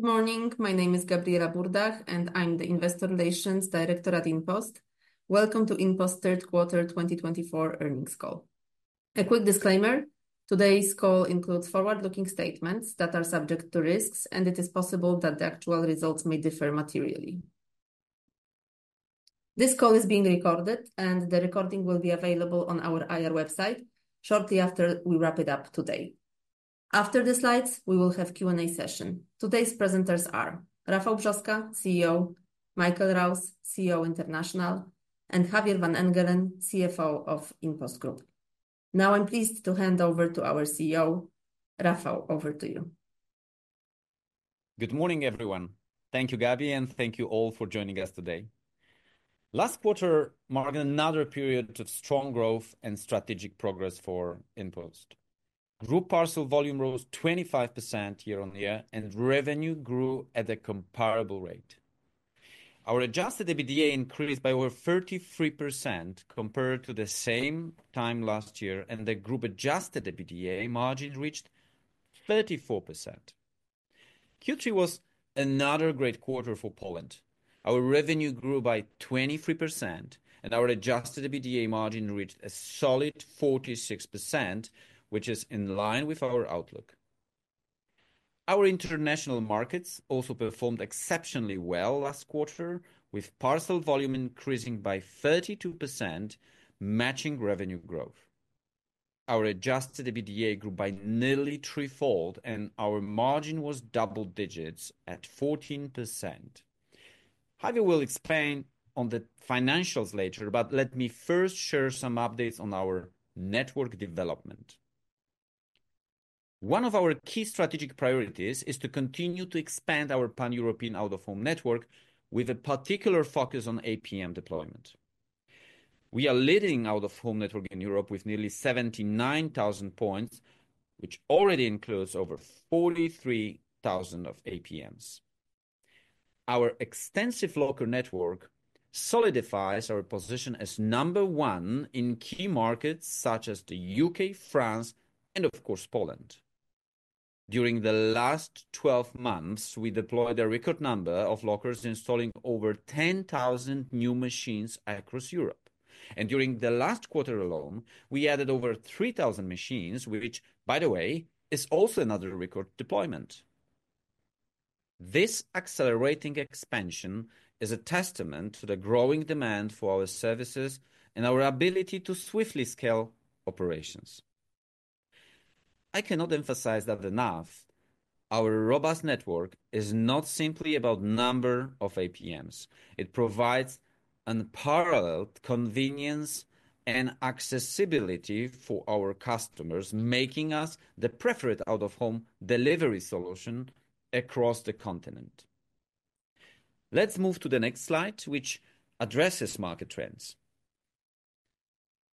Good morning. My name is Gabriela Burda and I'm the Investor Relations Director at InPost. Welcome to InPost's Q3 2024 Earnings Call. A quick disclaimer. Today's call includes forward-looking statements that are subject to risks and it is possible that the actual results may differ materially. This call is being recorded and the recording will be available on our IR website shortly after we wrap it up today. After the slides we will have Q&A session. Today's presenters are Rafał Brzoska, CEO; Michael Rouse, CEO International; and Javier van Engelen, CFO of InPost Group. Now I'm pleased to hand over to our CEO, Rafał, over to you. Good morning everyone. Thank you Gabi, and thank you all for joining us today. Last quarter marked another period of strong growth and strategic progress for InPost Group. Parcel volume rose 25% year on year and revenue grew at a comparable rate. Our Adjusted EBITDA increased by over 33% compared to the same time last year and the group Adjusted EBITDA margin reached 34%. Q3 was another great quarter for Poland. Our revenue grew by 23% and our Adjusted EBITDA margin reached a solid 46% which is in line with our outlook. Our international markets also performed exceptionally well last quarter with parcel volume increasing by 32%, matching revenue growth. Our Adjusted EBITDA grew by nearly threefold and our margin was double digits at 14%. Javier will explain on the financials later, but let me first share some updates on our network development. One of our key strategic priorities is to continue to expand our pan-European out-of-home network with a particular focus on APM deployment. We are leading out-of-home network in Europe with nearly 79,000 points which already includes over 43,000 of APMs. Our extensive local network solidifies our position as number one in key markets such as the UK, France and of course Poland. During the last 12 months we deployed a record number of lockers installing over 10,000 new machines across Europe, and during the last quarter alone we added over 3,000 machines, which by the way is also another record deployment. This accelerating expansion is a testament to the growing demand for our services and our ability to swiftly scale operations. I cannot emphasize that enough. Our robust network is not simply about number of APMs. It provides unparalleled convenience and accessibility for our customers, making us the preferred out-of-home delivery solution across the continent. Let's move to the next slide which addresses market trends.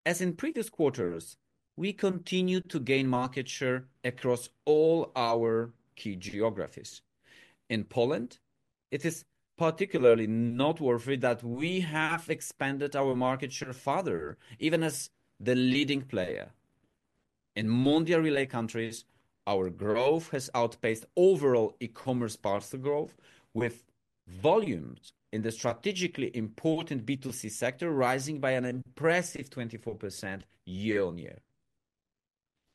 As in previous quarters, we continue to gain market share across all our key geographies. In Poland, it is particularly noteworthy that we have expanded our market share further. Even as the leading player in Mondial Relay countries, our growth has outpaced overall e-commerce marked growth with volumes in the strategically important B2C sector rising by an impressive 24% year on year.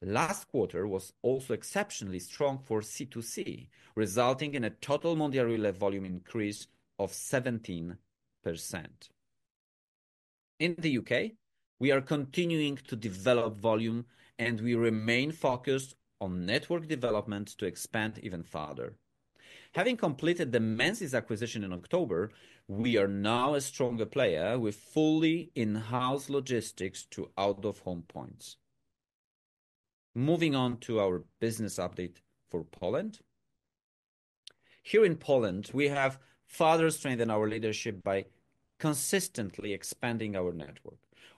Last quarter was also exceptionally strong for C2C resulting in a total Mondial Relay volume increase of 17%. In the UK we are continuing to develop volume and we remain focused on network development to expand even further. Having completed the Menzies acquisition in October, we are now a stronger player with fully in-house logistics to out-of-home points. Moving on to our business update for Poland. Here in Poland we have further strengthened our leadership by consistently expanding our network.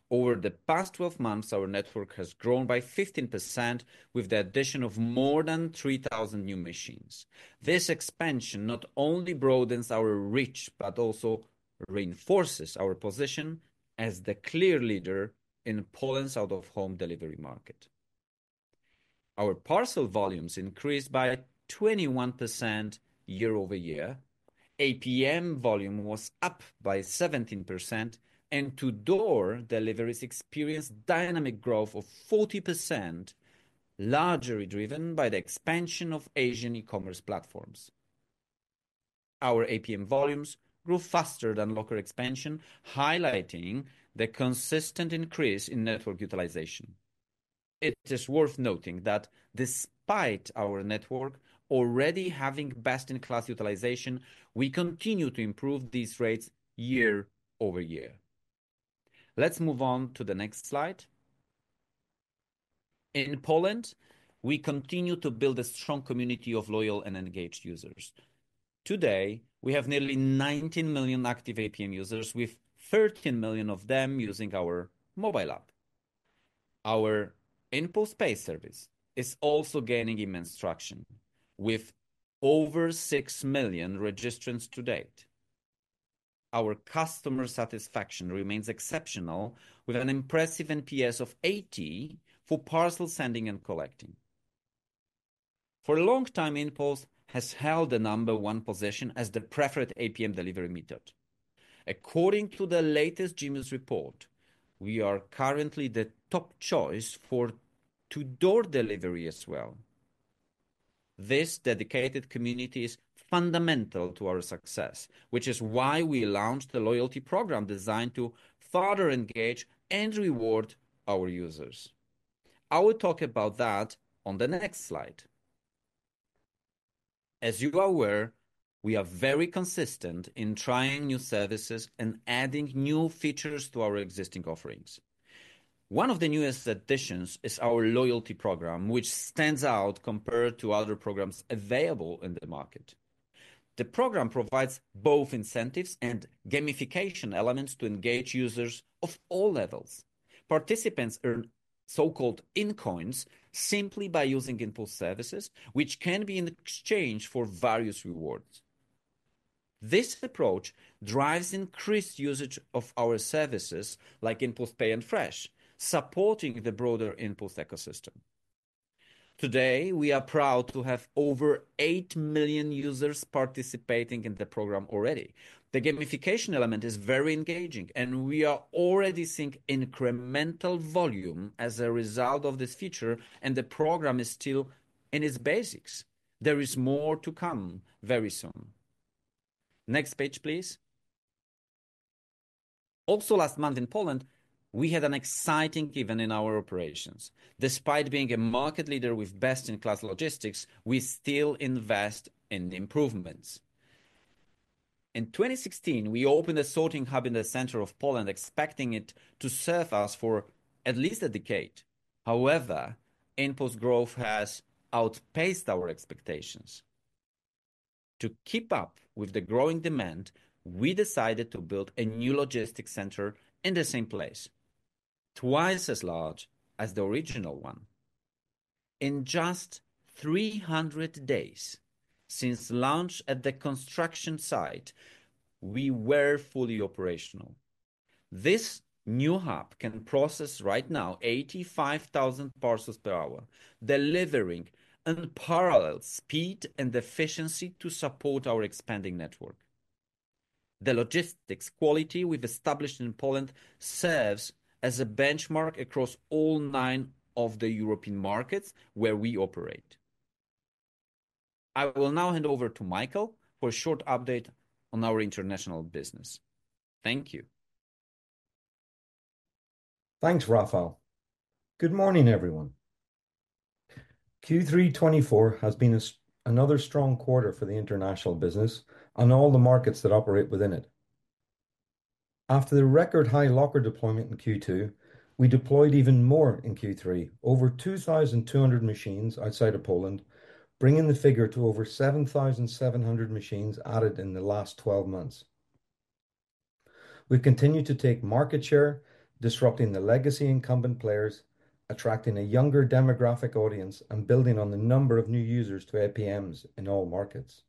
Over the past 12 months our network has grown by 15% with the addition of more than 3,000 new machines. This expansion not only broadens our reach but also reinforces our position as the clear leader in Poland's out-of-home delivery market. Our parcel volumes increased by 21% year over year. APM volume was up by 17% and to-door deliveries experienced dynamic growth of 40%, largely driven by the expansion of Asian e-commerce platforms. Our APM volumes grew faster than locker expansion, highlighting the consistent increase in network utilization. It is worth noting that despite our network already having best in class utilization, we continue to improve these rates year over year. Let's move on to the next slide. In Poland, we continue to build a strong community of loyal and engaged users. Today we have nearly 19 million active APM users with 13 million of them using our mobile app. Our InPost Pay service is also gaining immense traction with over 6 million registrants to date. Our customer satisfaction remains exceptional with an impressive NPS of 80 for parcel sending and collecting. For a long time InPost has held the number one position as the preferred APM delivery method. According to the latest Gemius report, we are currently the top choice for door-to-door delivery as well. This dedicated community is fundamental to our success, which is why we launched the loyalty program designed to further engage and reward our users. I will talk about that on the next slide. As you are aware, we are very consistent in trying new services and adding new features to our existing offerings. One of the newest additions is our loyalty program, which stands out compared to other programs available in the market. The program provides both incentives and gamification elements to engage users of all levels. Participants earn so-called InCoins simply by using InPost services which can be in exchange for various rewards. This approach drives increased usage of our services like InPost Pay and Fresh supporting the broader InPost ecosystem. Today we are proud to have over eight million users participating in the program already. The gamification element is very engaging and we are already seeing incremental volume as a result of this feature and the program is still in its basics. There is more to come very soon. Next page, please. Also, last month in Poland we had an exciting event in our operations. Despite being a market leader with best in class logistics, we still invest in the improvements. In 2016 we opened a sorting hub in the center of Poland, expecting it to serve us for at least a decade. However, InPost growth has outpaced our expectations. To keep up with the growing demand, we decided to build a new logistics center in the same place twice as large as the original one. In just 300 days since launch at the construction site we were fully operational. This new hub can process right now 85,000 parcels per hour, delivering unparalleled speed and efficiency to support our expanding network. The logistics quality we've established in Poland serves as a benchmark across all nine of the European markets where we operate. I will now hand over to Michael for a short update on our international business. Thank you. Thanks Rafał. Good morning, everyone. Q3 2024 has been another strong quarter for the international business and all th markets that operate within it. After the record high locker deployment in Q2, we deployed even more in Q3 over 2,200 machines outside of Poland, bringing the figure to over 7,700 machines added in the last 12 months. We've continued to take market share, disrupting the legacy incumbent players, attracting a younger demographic audience and building on the number of new users to APMs in all markets.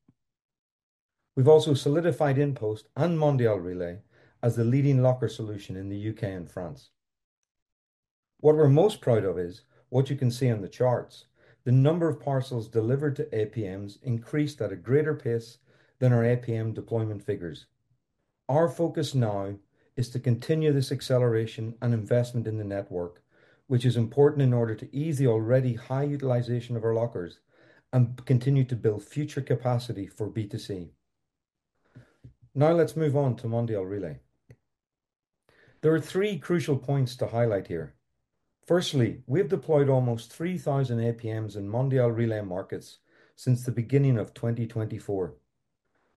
We've also solidified InPost and Mondial Relay as the leading locker solution in the UK and France. What we're most proud of is what you can see on the charts. The number of parcels delivered to APMs increased at a greater pace than our APM deployment figures. Our focus now is to continue this acceleration and investment in the network, which is important in order to ease the already high utilization of our lockers and continue to build future capacity for B2C. Now let's move on to Mondial Relay. There are three crucial points to highlight here. Firstly, we have deployed almost 3,000 APMs in Mondial Relay markets since the beginning of 2024.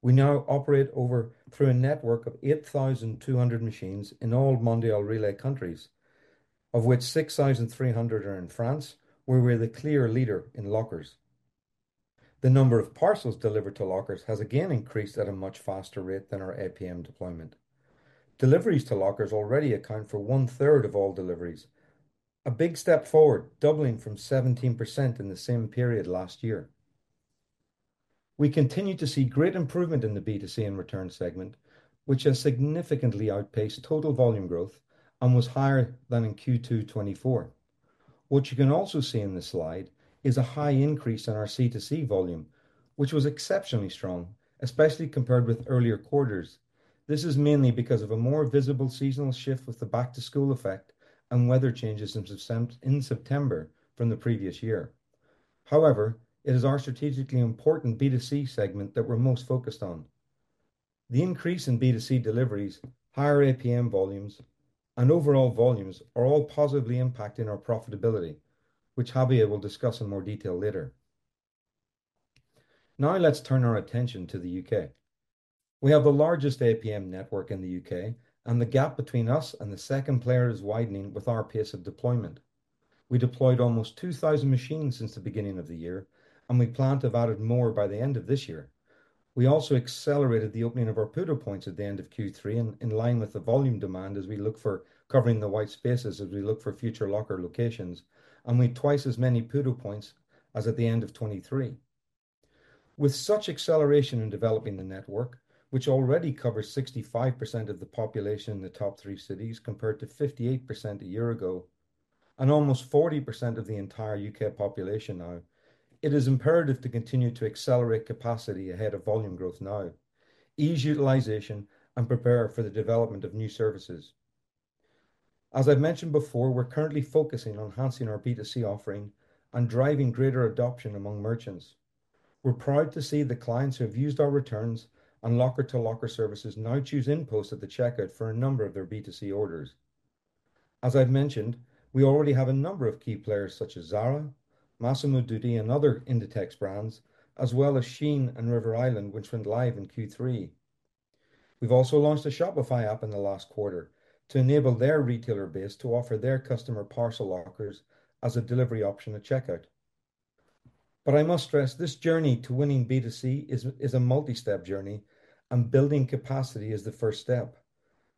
We now operate through a network of over 8,200 machines in all Mondial Relay countries, of which 6,300 are in France, where we're the clear leader in lockers. The number of parcels delivered to lockers has again increased at a much faster rate than our APM deployment. Deliveries to lockers already account for one third of all deliveries, a big step forward, doubling from 17% in the same period last year. We continue to see great improvement in the B2C and return segment which has significantly outpaced total volume growth and was higher than in Q2 2024. What you can also see in this slide is a high increase in our C2C volume which was exceptionally strong especially compared with earlier quarters. This is mainly because of a more visible seasonal shift with the back to school effect and weather changes in September from the previous year. However, it is our strategically important B2C segment that we're most focused on. The increase in B2C deliveries, higher APM volumes and overall volumes are all positively impacting our profitability, which Javier will discuss in more detail later. Now let's turn our attention to the UK. We have the largest APM network in the UK and the gap between us and the second player is widening with our pace of deployment. We deployed almost 2,000 machines since the beginning of the year and we plan to have added more by the end of this year. We also accelerated the opening of our PUDO points at the end of Q3 in line with the volume demand as we look for covering the white spaces as we look for future locker locations and we have twice as many PUDO points as at the end of 2023. With such acceleration in developing the network, which already covers 65% of the population in the top three cities compared to 58% a year ago and almost 40% of the entire UK population now, it is imperative to continue to accelerate capacity ahead of volume growth now, ease utilization and prepare for the development of new services. As I've mentioned before, we're currently focusing on enhancing our B2C offering and driving greater adoption among merchants. We're proud to see the clients who have used our returns and locker to locker services now choose InPost at the checkout for a number of their B2C orders. As I've mentioned, we already have a number of key players such as Zara, Massimo Dutti and other Inditex brands as well as Shein and River Island which went live in Q3. We've also launched a Shopify app in the last quarter to enable their retailer base to offer their customer parcel lockers as a delivery option at checkout. But I must stress this journey to winning B2C is a multi step journey and building capacity is the first step.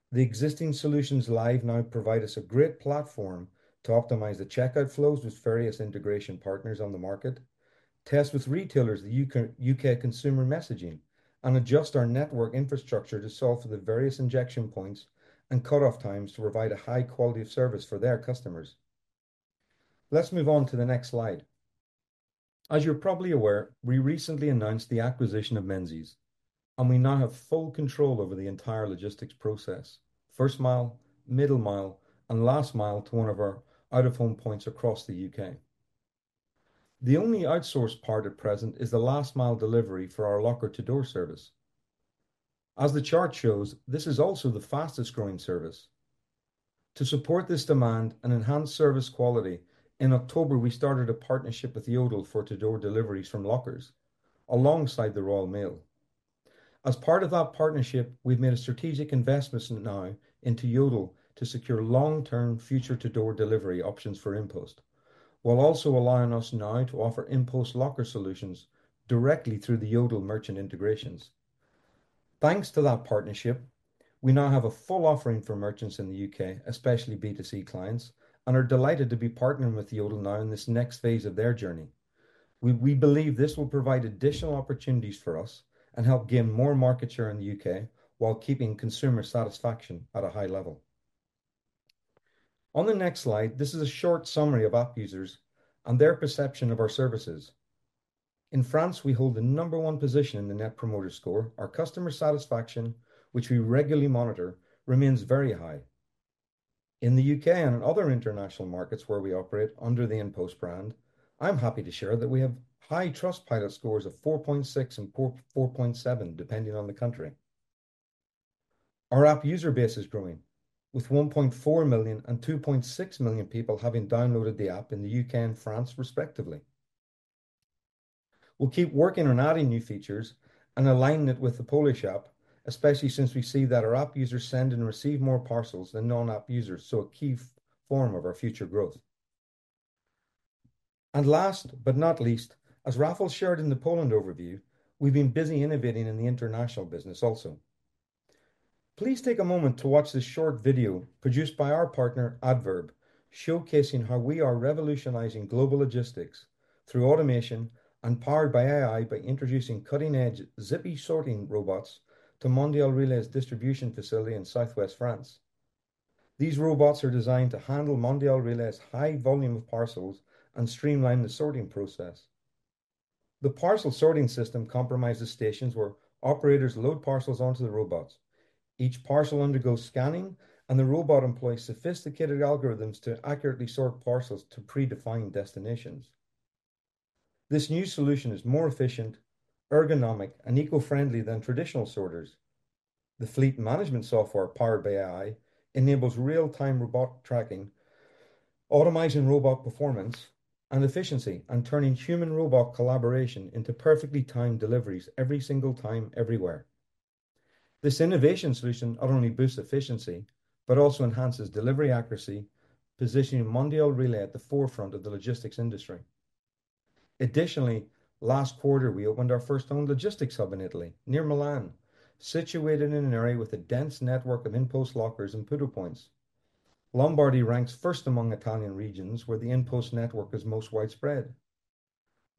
The existing solutions live now provide us a great platform to optimize the checkout flows with various integration partners on the market, test with retailers, the UK consumer messaging and adjust our network infrastructure to solve for the various injection points and cutoff times to provide a high quality of service for their customers. Let's move on to the next slide. As you're probably aware, we recently announced the acquisition of Menzies and we now have full control over the entire logistics process. First mile, middle mile and last mile to one of our out of home points across the UK. The only outsourced part at present is the last mile delivery for our locker-to-door service. As the chart shows, this is also the fastest growing service. To support this demand and enhance service quality, in October we started a partnership with Yodel for to-door deliveries from lockers alongside the Royal Mail. As part of that partnership we've made a strategic investment now into Yodel to secure long term future to-door delivery options for InPost while also allowing us now to offer InPost locker solutions directly through the Yodel merchant integrations. Thanks to that partnership, we now have a full offering for merchants in the UK, especially B2C clients, and are delighted to be partnering with Yodel now in this next phase of their journey. We believe this will provide additional opportunities for us and help gain more market share in the UK while keeping consumer satisfaction at a high level on the next slide. This is a short summary of app users and their perception of our services. In France we hold the number one position in the Net Promoter Score. Our customer satisfaction, which we regularly monitor, remains very high in the UK and in other international markets where we operate under the InPost brand. I'm happy to share that we have high Trustpilot scores of 4.6 and 4.7 depending on the country. Our app user base is growing with 1.4 million and 2.6 million people having downloaded the app in the UK and France respectively. We'll keep working on adding new features and alignment with the Polish app, especially since we see that our app users send and receive more parcels than non app users, so a key form of our future growth, and last but not least, as Rafał shared in the Poland Overview, we've been busy innovating in the international business. Also, please take a moment to watch this short video produced by our partner Addverb showcasing how we are revolutionizing global logistics through automation and powered by AI by introducing cutting-edge Zippy sorting robots to Mondial Relay's distribution facility in southwest France. These robots are designed to handle Mondial Relay's high volume of parcels and streamline the sorting process. The parcel sorting system comprises stations where operators load parcels onto the robots. Each parcel undergoes scanning and the robot employs sophisticated algorithms to accurately sort parcels to predefined destinations. This new solution is more efficient, ergonomic, and eco-friendly than traditional sorters. The fleet management software, powered by AI, enables real-time robot tracking, automation, robot performance and efficiency, and turning human robot collaboration into perfectly timed deliveries every single time everywhere. This innovative solution not only boosts efficiency but also enhances delivery accuracy, positioning Mondial Relay at the forefront of the logistics industry. Additionally, last quarter we opened our first owned logistics hub in Italy near Milan. Situated in an area with a dense network of InPost lockers and PUDO points, Lombardy ranks first among Italian regions where the InPost network is most widespread.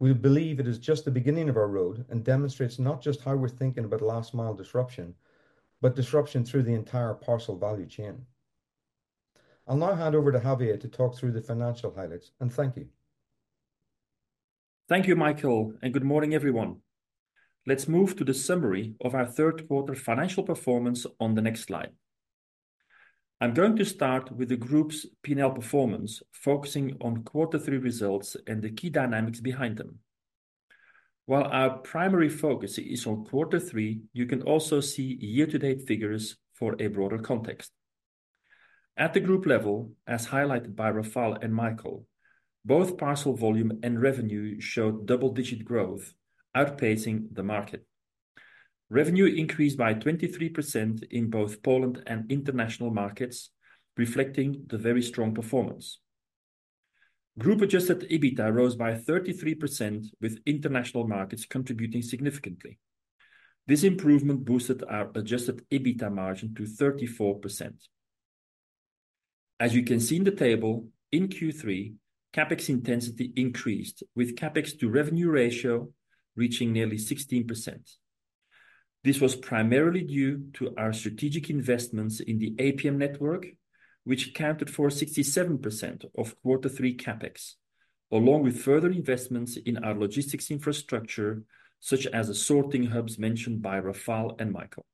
We believe it is just the beginning of our roadmap and demonstrates not just how we're thinking about last mile disruption, but disruption through the entire parcel value chain. I'll now hand over to Javier to talk through the financial highlights and thank you. Thank you, Michael. Good morning, everyone. Let's move to the summary of our Q3 Financial Performance on the next slide. I'm going to start with the group's P&L performance, focusing on quarter three results and the key dynamics behind them. While our primary focus is on quarter three, you can also see year to date figures for a broader context at the group level. As highlighted by Rafał and Michael, both parcel volume and revenue showed double digit growth outpacing the market. Revenue increased by 23% in both Poland and international markets reflecting the very strong performance group. Adjusted EBITDA rose by 33% with international markets contributing significantly. This improvement boosted our adjusted EBITDA margin to 34%. As you can see in the table in Q3 CapEx intensity increased with CapEx to revenue ratio reaching nearly 16%. This was primarily due to our strategic investments in the APM network which accounted for 67% of quarter three CapEx, along with further investments in our logistics infrastructure such as the sorting hubs mentioned by Rafał and Michael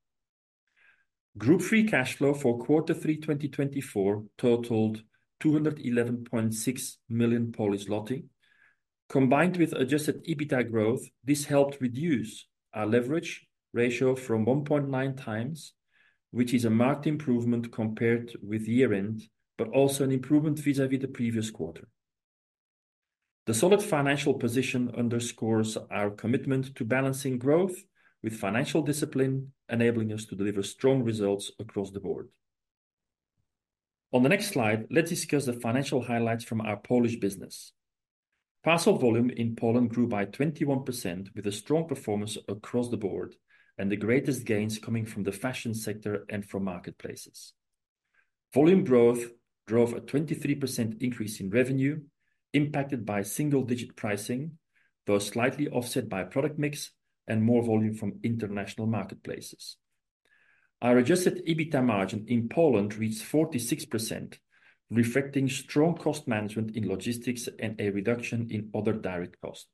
Rouse. Free cash flow for quarter three 2024 totaled 211.6 million. Combined with adjusted EBITDA growth, this helped reduce our leverage ratio from 1.9 times, which is a marked improvement compared with year end, but also an improvement vis a vis the previous quarter. The solid financial position underscores our commitment to balancing growth with financial discipline, enabling us to deliver strong results across the board. On the next slide, let's discuss the financial highlights from our Polish business. Parcel volume in Poland grew by 21% with a strong performance across the board and the greatest gains coming from the fashion sector and from marketplaces. Volume growth drove a 23% increase in revenue, impacted by single-digit pricing, though slightly offset by product mix and more volume from international marketplaces. Our Adjusted EBITDA margin in Poland reached 46%, reflecting strong cost management in logistics and a reduction in other direct cost,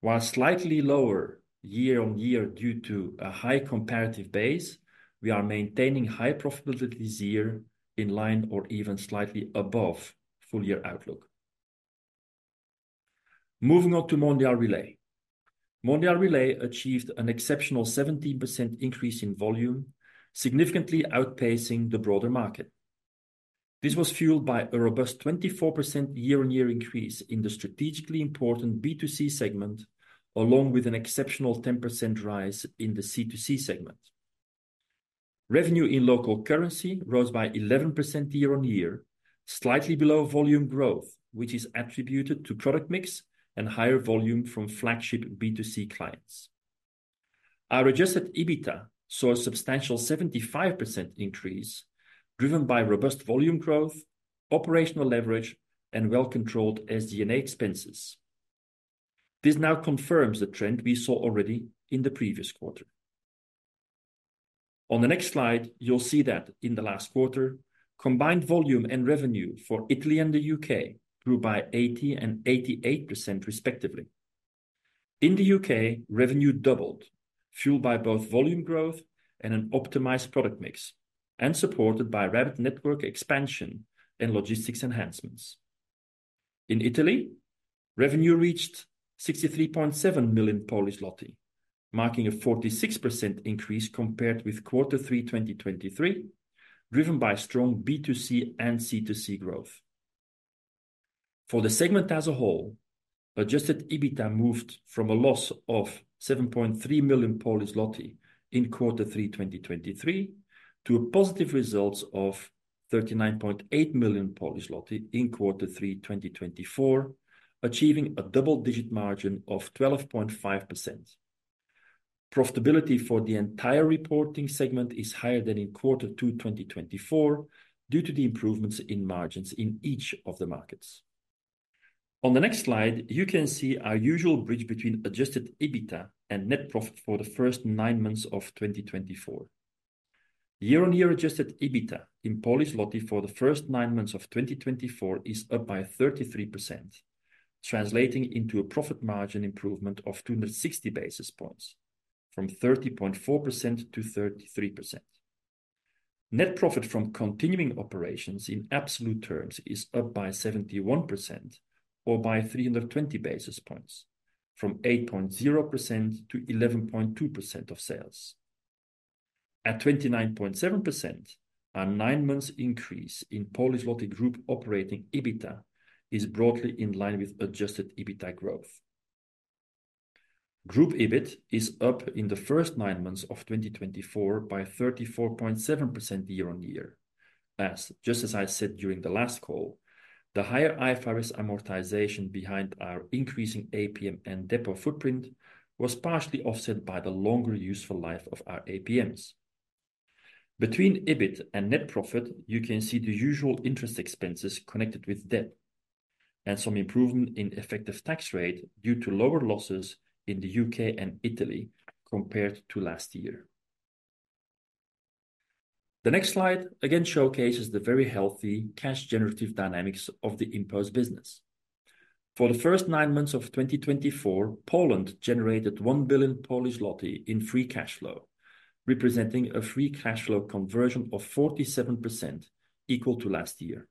while slightly lower year-on-year due to a high comparative base. We are maintaining high profitability this year in line or even slightly above full-year outlook. Moving on to Mondial Relay. Mondial Relay achieved an exceptional 17% increase in volume, significantly outpacing the broader market. This was fueled by a robust 24% year-on-year increase in the strategically important B2C segment along with an exceptional 10% rise in the C2C segment. Revenue in local currency rose by 11% year-on-year, slightly below volume growth which is attributed to product mix and higher volume from flagship B2C clients. Our Adjusted EBITDA saw a substantial 75% increase driven by robust volume growth, operational leverage, and well-controlled SG&A expenses. This now confirms the trend we saw already in the previous quarter. On the next slide you'll see that in the last quarter, combined volume and revenue for Italy and the UK grew by 80 and 88% respectively. In the UK, revenue doubled fueled by both volume growth and an optimized product mix and supported by rapid network expansion and logistics enhancements. In Italy, revenue reached 63.7 million PLN, marking a 46% increase compared with Q3 2023 driven by strong B2C and C2C growth for the segment as a whole. Adjusted EBITDA moved from a loss of 7.3 million PLN in Q3 2023 to a positive result of 39.8 million PLN in Q3 2024 achieving a double-digit margin of 12.5%. Profitability for the entire reporting segment is higher than in Q2 2024 due to the improvements in margins in each of the markets. On the next slide you can see our usual bridge between adjusted EBITDA and net profit for the first nine months of 2024. Year on year, adjusted EBITDA in Polish złoty for the first nine months of 2024 is up by 33%, translating into a profit margin improvement of 260 basis points from 30.4% to 33%. Net profit from continuing operations in absolute terms is up by 71% or by 320 basis points from 8.0% to 11.2% of sales at 29.7%. A nine months increase in InPost Group operating EBITDA is broadly in line with adjusted EBITDA growth. Group EBIT is up in the first nine months of 2024 by 34.7% year on year. Just as I said during the last call, the higher IFRS amortization behind our increasing APM and depot footprint was partially offset by the longer useful life of our APMs. Between EBIT and net profit you can see the usual interest expenses connected with debt and some improvement in effective tax rate due to lower losses in the UK and Italy compared to last year. The next slide again showcases the very healthy cash generative dynamics of the InPost business. For the first nine months of 2024, Poland generated 1 billion in free cash flow representing a free cash flow conversion of 47% equal to last year.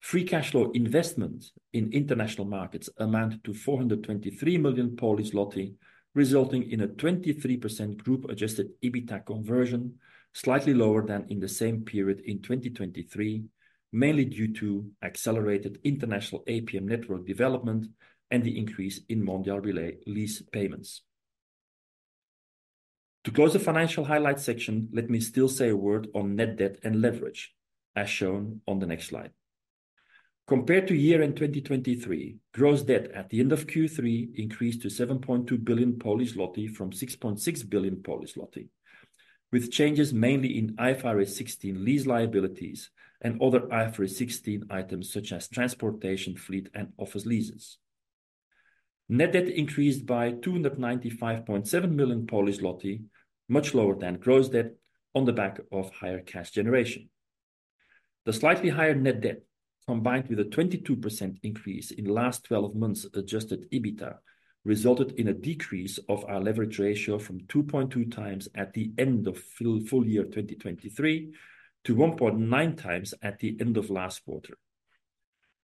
Free cash flow investment in international markets amount to 423 million resulting in a 23% group adjusted EBITDA conversion slightly lower than in the same period in 2023 mainly due to accelerated international APM network development and the increase in Mondial Relay lease payment. To close the financial highlights section, let me still say a word on net debt and leverage as shown on the next slide. Compared to year end 2023, gross debt at the end of Q3 increased to 7.2 billion from 6.6 billion with changes mainly in IFRS 16 lease liabilities and other IFRS 16 items such as transportation fleet and office leases. Net debt increased by 295.7 million much lower than gross debt on the back of higher cash generation. The slightly higher net debt combined with a 22% increase in last 12 months adjusted EBITDA resulted in a decrease of our leverage ratio from 2.2 times at the end of full year 2023 to 1.9 times at the end of last quarter.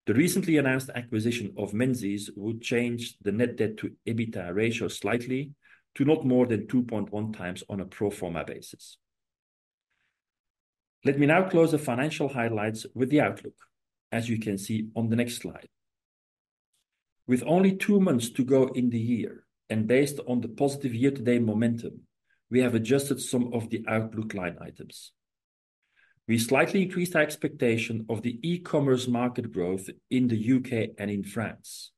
The recently announced acquisition of Menzies would change the net debt to EBITDA ratio slightly to not more than 2.1 times on a pro forma basis. Let me now close the financial highlights with the outlook. As you can see on the next slide, with only two months to go in the year and based on the positive year to date momentum, we have adjusted some of the outlook line items. We slightly increased our expectation of the e-commerce market growth in the UK and in France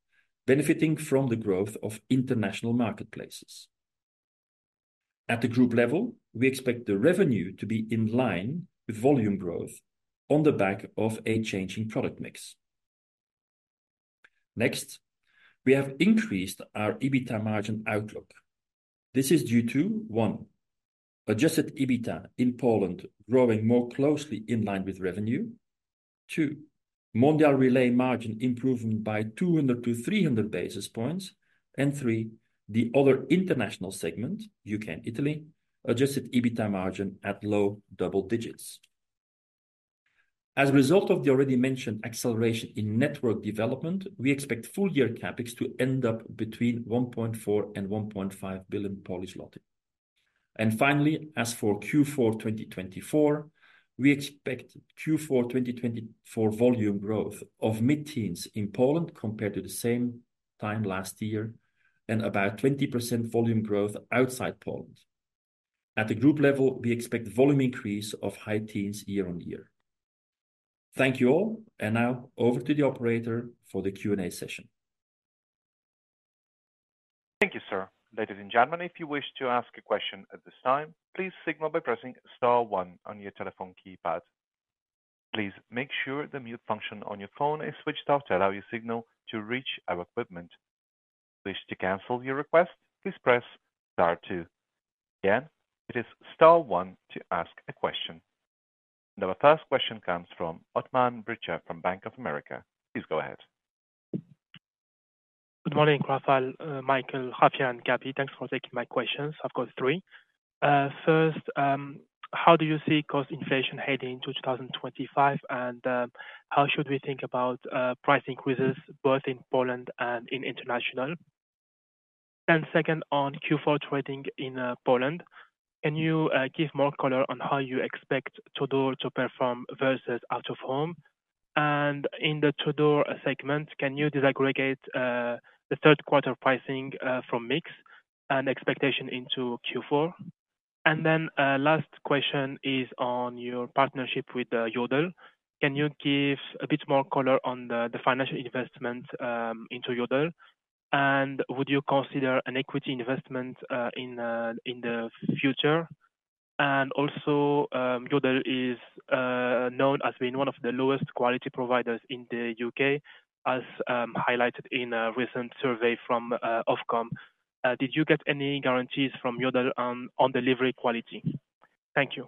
benefiting from the growth of international marketplaces. At the group level, we expect the revenue to be in line with volume growth on the back of a changing product mix. Next, we have increased our EBITDA margin outlook. This is due to our adjusted EBITDA in Poland growing more closely in line with revenue, two, Mondial Relay margin improvement by 200 to 300 basis points, and three, the other international segment UK and Italy adjusted EBITDA margin at low double-digits. As a result of the already mentioned acceleration in network development, we expect full-year CapEx to end up between 1.4 billion-1.5 billion. Finally, as for Q4 2024, we expect Q4 2024 volume growth of mid-teens in Poland compared to the same time last year and about 20% volume growth outside Poland. At the group level, we expect volume increase of high-teens year-on-year. Thank you all and now over to the operator for the Q&A session. Thank you sir. Ladies and gentlemen, if you wish to ask a question at this time, please signal by pressing star one on your telephone keypad. Please make sure the mute function on your phone is switched off to allow your signal to reach our equipment. Wish to cancel your request, please press star two. Again, it is star one to ask a question. Our first question comes from Othmane Bricha from Bank of America. Please go ahead. Good morning, Rafał, Michael, Javier and Gabi, thanks for taking my questions. I've got three. First, how do you see cost inflation heading into 2025? How should we think about price increases both in Poland and in international? Second, on Q4 trading in Poland, can you give more color on how you expect to-door to perform versus out-of-home? In the to-door segment, can you disaggregate the Q3 pricing from mix and expectation into Q4? Then last question is on your partnership with Yodel, can you give a bit more color on the financial investment into Yodel? would you consider an equity investment in the future? Also Yodel is known as being one of the lowest quality providers in the UK as highlighted in a recent survey from Ofcom. Did you get any guarantees from Yodel on delivery quality? Thank you.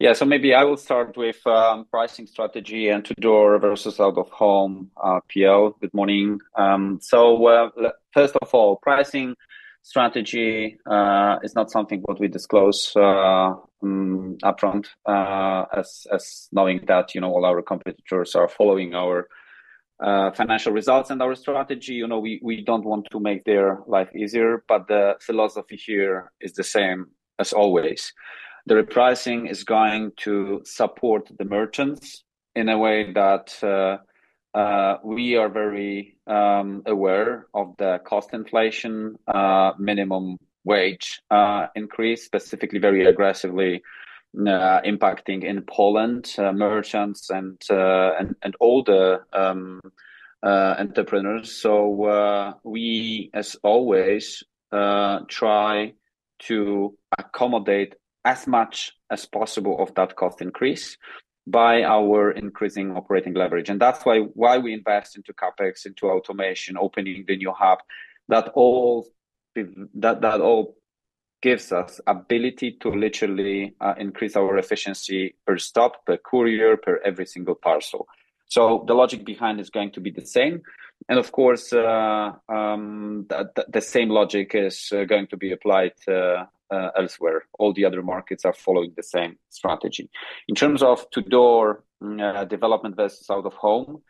Yeah. So maybe I will start with pricing strategy and the reversals out of home PL. Good morning. So first of all, pricing strategy is not something what we disclose upfront as knowing that, you know, all our competitors are following our financial results and our strategy, you know, we don't want to make their life easier. But the philosophy here is the same as always. The repricing is going to support the merchants in a way that we are very aware of the cost inflation, minimum wage increase specifically very aggressively impacting in Poland merchants and older entrepreneurs. So we as always try to accommodate as much as possible of that cost increase by our increasing operating leverage. That's why we invest into CapEx, into automation, opening the new hub that all gives us ability to literally increase our efficiency per stop, per courier, per every single parcel. The logic behind is going to be the same and of course the same logic is going to be applied elsewhere. All the other markets are following the same strategy in terms of door-to-door development versus out-of-home.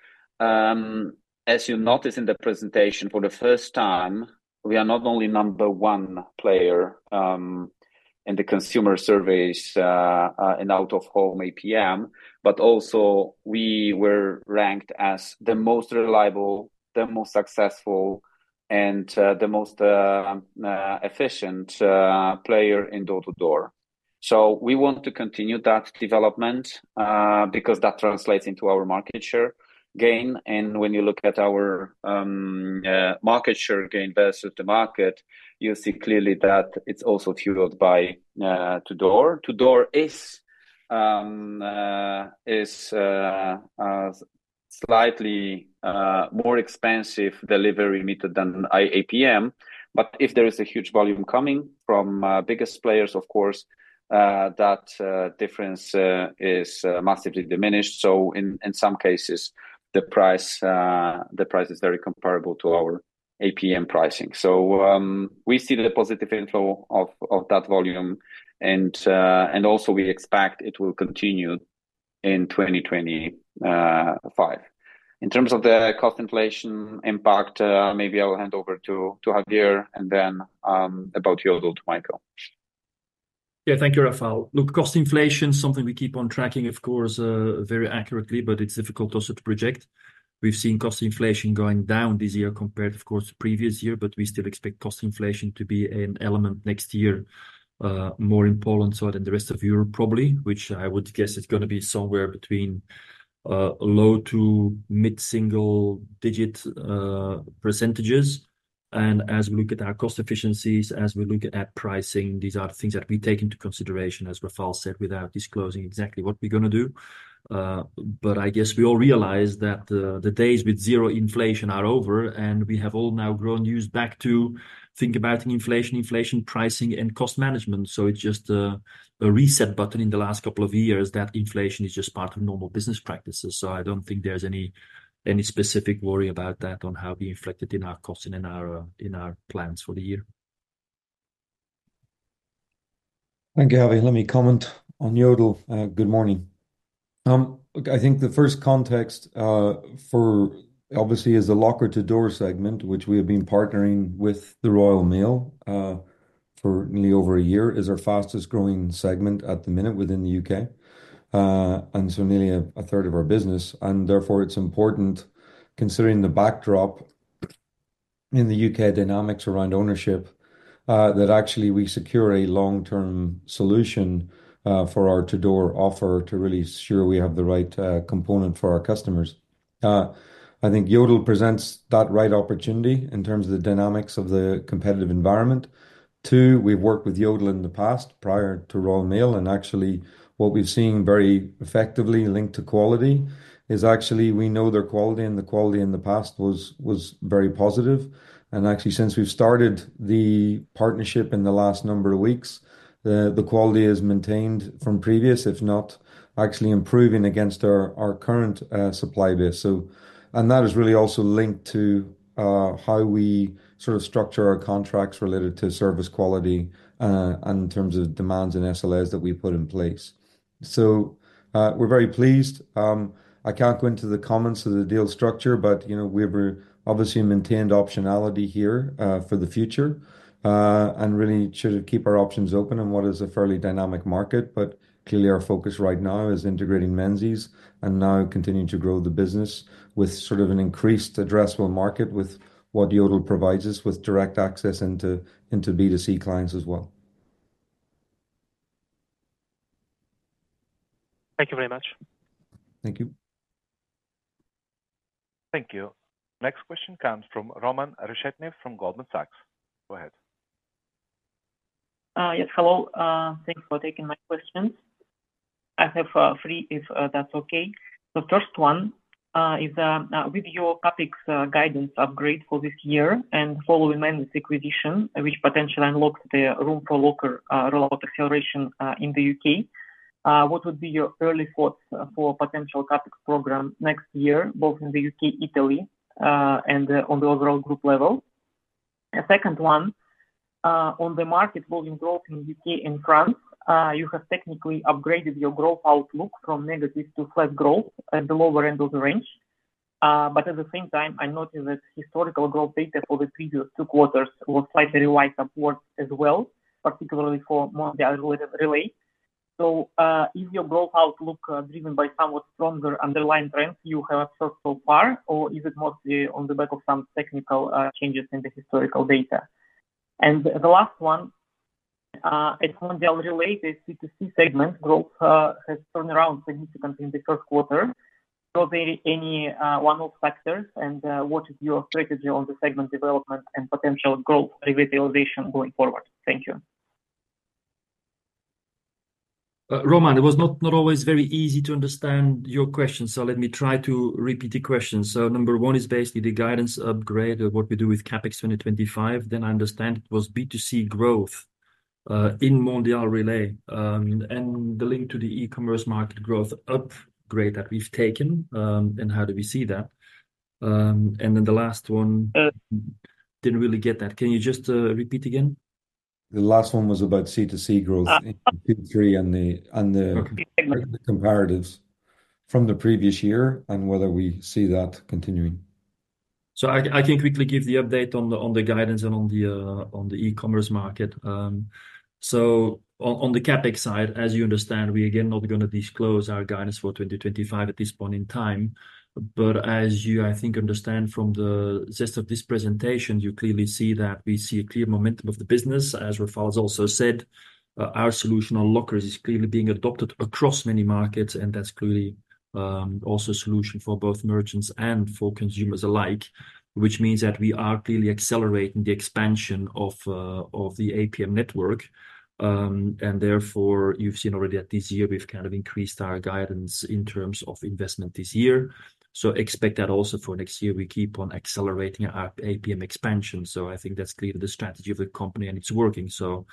As you notice in the presentation for the first time we are not only number one player in the consumer service and out-of-home APM but also we were ranked as the most reliable, the most successful and the most efficient player in door-to-door. We want to continue that development because that translates into our market share gain. And when you look at our market share gain versus the market, you see clearly that it's also fueled by door to door, which is slightly more expensive delivery method than APM. But if there is a huge volume coming from biggest players, of course that difference is massively diminished. So in some cases the price is very comparable to our APM pricing. So we see the positive inflow of that volume and also we expect it will continue in 2025 in terms of the cost inflation impact. Maybe I will hand over to Javier and then about your dual to Michael. Yeah, thank you, Rafał. Look, cost inflation, something we keep on tracking, of course, very accurately, but it's difficult also to project. We've seen cost inflation going down this year compared, of course, the previous year. But we still expect cost inflation to be an element next year. More in Poland so than the rest of Europe probably, which I would guess is going to be somewhere between low- to mid-single-digit percentages. As we look at our cost efficiencies, as we look at pricing, these are things that we take into consideration, as Rafał said, without disclosing exactly what we're going to do. But I guess we all realize that the days with zero inflation are over and we have all now grown used back to think about inflation, inflation, pricing and cost management. It's just a reset button in the last couple of years that inflation is just part of normal business practices. I don't think there's any specific worry about that on how we inflected in our cost and in our plans for the year. Thank you Javi. Let me comment on Yodel. Good morning. Look, the first context for obviously is the locker to door segment which we have been partnering with the Royal Mail for nearly over a year is our fastest growing segment at the minute within the UK and so nearly a third of our business and therefore it's important considering the backdrop in the UK dynamics around ownership that actually we secure a long term solution for our to door offer to really ensure we have the right component for our customers. Yodel presents that right opportunity in terms of the dynamics of the competitive environment too. We've worked with Yodel in the past prior to Royal Mail and actually what we've seen very effectively linked to quality is actually we know their quality and the quality in the past was very positive and actually since we've started the partnership in the last number of weeks the quality is maintained from previous if not actually improving against our current supply base. So and that is really also linked to how we sort of structure our contracts related to service quality in terms of demands and SLAs that we put in place. So we're very pleased. I can't go into the comments of the deal structure but we obviously maintained optionality here for the future and really should keep our options open and what is a fairly dynamic market. But clearly our focus right now is integrating Menzies and now continuing to grow the business with sort of an increased addressable market with what Yodel provides us with direct access into B2C clients as well. Thank you very much. Thank you. Thank you. Next question comes from Roman Reshetnev from Goldman Sachs. Go ahead. Yes, hello. Thanks for taking my questions. I have three if that's okay. The first one is with your CapEx guidance upgrade for this year and following Menzies acquisition which potentially unlocks the room for local rollout acceleration in the UK What would be your early thoughts for potential CapEx program next year both in the UK, Italy and on the overall group level? A second one on the market volume growth in UK and France. You have technically upgraded your growth outlook from negative to flat growth at the lower end of the range. But at the same time, I noticed that historical growth data for the previous two quarters was slightly revised upwards as well, particularly. So is your growth outlook driven by somewhat stronger underlying trends you have observed so far or is it mostly on the back of some technical changes in the historical data? And the last one, Mondial Relay C2C segment growth has turned around significantly in the first quarter. Are there any one-off factors and what is your strategy on the segment development and potential growth revitalization going forward? Thank you. Roman. It was not always very easy to understand your question, so let me try to repeat the question. So number one is basically the guidance upgrade of what we do with CapEx 2025. Then I understand it was B2C growth in Mondial Relay and the link to the e-commerce market growth upgrade that we've taken and how do we see that? And then the last one didn't really get that. Can you just repeat again the last. One was about C2C growth three and the comparatives from the previous year and whether we see that continuing. I can quickly give the update on the guidance and on the e-commerce market. On the CapEx side as you understand we again not going to disclose our guidance for 2025 at this point in time but as you understand from the gist of this presentation you clearly see that we see a clear momentum of the business. As Rafał's also said, our solution on lockers is clearly being adopted across many markets and that's clearly also a solution for both merchants and for consumers alike. Which means that we are clearly accelerating the expansion of the APM network and therefore you've seen already that this year we've kind of increased our guidance in terms of investment this year. Expect that also for next year we keep on accelerating our APM expansion. That's clearly the strategy of the company and it's working, so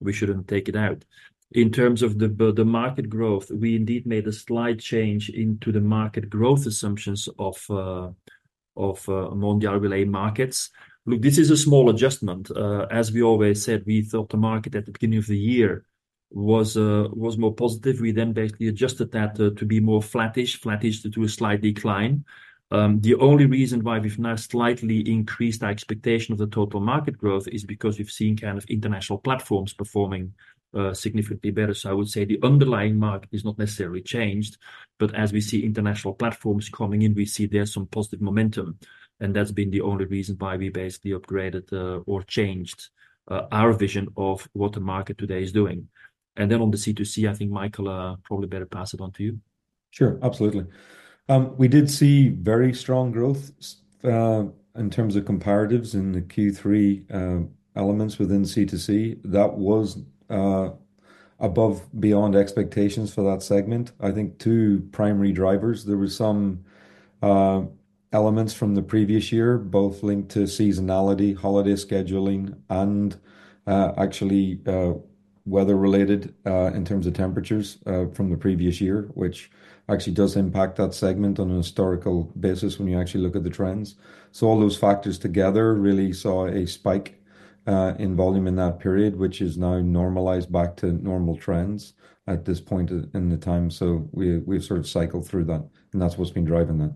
we shouldn't take it out in terms of the market growth. We indeed made a slight change into the market growth assumptions of Mondial Relay markets. Look, this is a small adjustment as we always said. We thought the market at the beginning of the year was more positive. We then basically adjusted that to be more flattish. Flattish to a slight decline. The only reason why we've now slightly increased our expectation of the total market growth is because we've seen kind of international platforms performing significantly better. I would say the underlying market is not necessarily changed. As we see international platforms coming in we see there's some positive momentum and that's been the only reason why we basically upgraded or changed our vision of what the market today is doing. Then on the C2C, Michael probably better pass it on to you. Sure, absolutely. We did see very strong growth in terms of comparatives in the Q3 elements within C2C that was above beyond expectations for that segment. I think two primary drivers. There were some elements from the previous year both linked to seasonality, holiday scheduling, and actually weather related in terms of temperatures from the previous year, which actually does impact that segment on a historical basis when you actually look at the trends. So all those factors together really saw a spike in volume in that period which is now normalized back to normal trends at this point in the time. So we've sort of cycled through that and that's what's been driving that.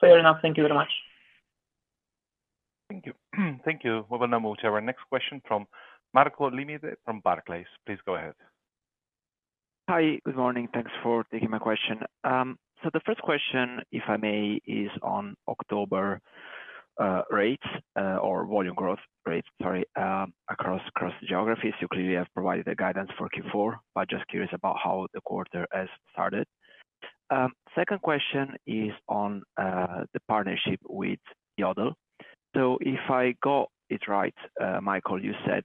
Fair enough. Thank you very much. Thank you. We will now move to our next question from Marco Limite from Barclays. Please go ahead. Hi, Good morning. Thanks for taking my question. So the first question if I may is on October rates or volume growth rates across geographies you clearly have provided a guidance for Q4 but just curious about how the quarter has started. Second question is on the partnership with Yodel. So if I got it right Michael, you said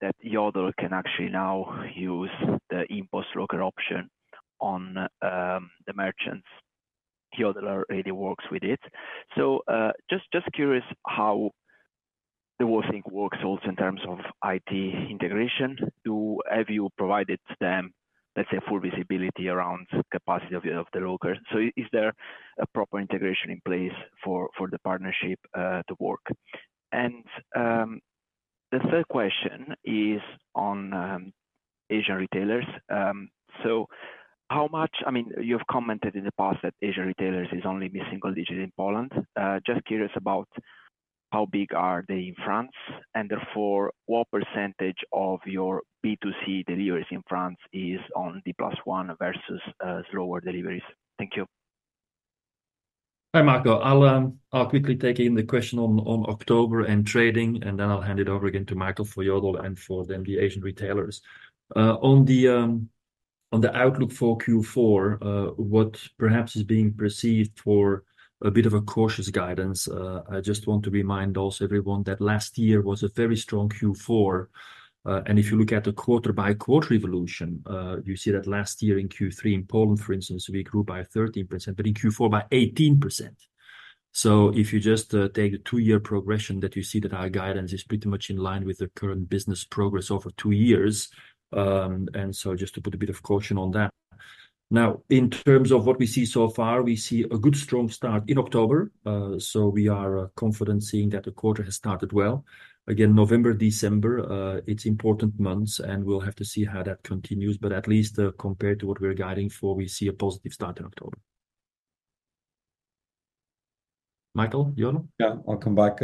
that Yodel can actually now use the InPost locker option on the merchants. Yodel. It really works with it. So just curious how the whole thing works also in terms of IT integration, have you provided them full visibility around capacity of the lockers? So is there a proper integration in place for the partnership to work? And the third question is on Asian retailers you've commented in the past that Asian retailers is only missing digital in Poland. Just curious about how big are they in France and therefore what percentage of your B2C deliveries in France is on the plus one versus slower deliveries. Thank you. Hi Marco, I'll quickly take in the question on October and trading and then I'll hand it over again to Michael for Yodel and for then the Asian retailers on the outlook for Q4, what perhaps is being perceived for a bit of a cautious guidance. I just want to remind also everyone that last year was a very strong Q4 and if you look at the quarter by quarter evolution, you see that last year in Q3 in Poland for instance we grew by 13% but in Q4 by 18%. So if you just take the two-year progression that you see that our guidance is pretty much in line with the current business progress over two years. So just to put a bit of caution on that now, in terms of what we see so far, we see a good strong start in October. We are confident seeing that the quarter has started well again. November, December, it's important months and we'll have to see how that continues. But at least compared to what we're guiding for, we see a positive start in October. Michael? Yeah, I'll come back.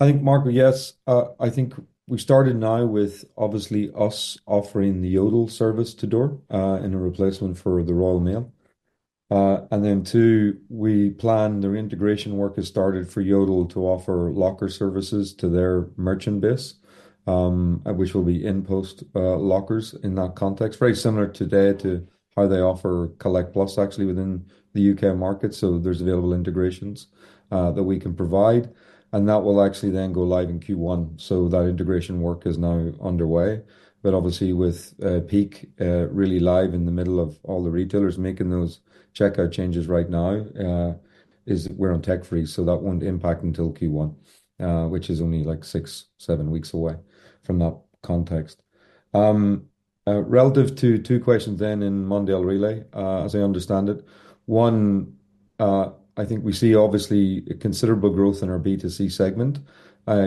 Marco. Yes, we started now with obviously us offering the Yodel service to door in a replacement for the Royal Mail. Two, we plan the reintegration work has started for Yodel to offer locker services to their merchandise which will be in InPost lockers in that context, very similar today to how they offer Collect+ actually within the UK market. So there's available integrations that we can provide and that will actually then go live in Q1. So that integration work is now underway. But obviously with peak really live in the middle of all the retailers making those checkout changes right now is we're on tech freeze. So that won't impact until Q1, which is only like six, seven weeks away from that context. Relative to two questions then in Mondial Relay as I understand it. One, we see obviously considerable growth in our B2C segment.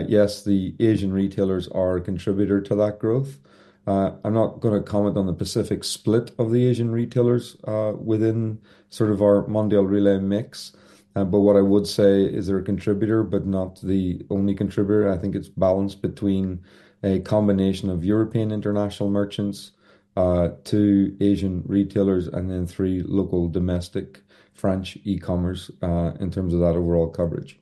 Yes, the Asian retailers are a contributor to that growth. I'm not going to comment on the Pacific split of the Asian retailers within sort of our Mondial Relay mix but what I would say is they're a contributor but not the only contributor. It's balanced between a combination of European international merchants, two Asian retailers and then three local domestic French e-commerce in terms of that overall coverage.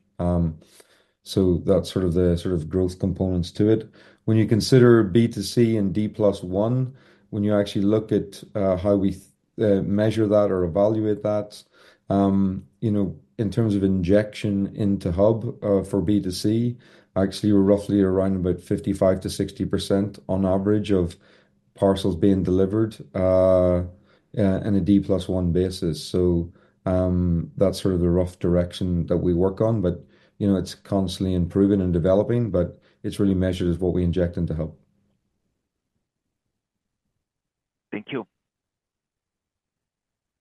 So that's sort of the sort of growth components to it when you consider B2C and D+1. When you actually look at how we measure that or evaluate that in terms of injection into hub for B2C, actually we're roughly around about 55%-60% on average of parcels being delivered on a D plus one basis. So that's sort of the rough direction that we work on. It's constantly improving and developing, but it's really measured as what we inject into hub. Thank you.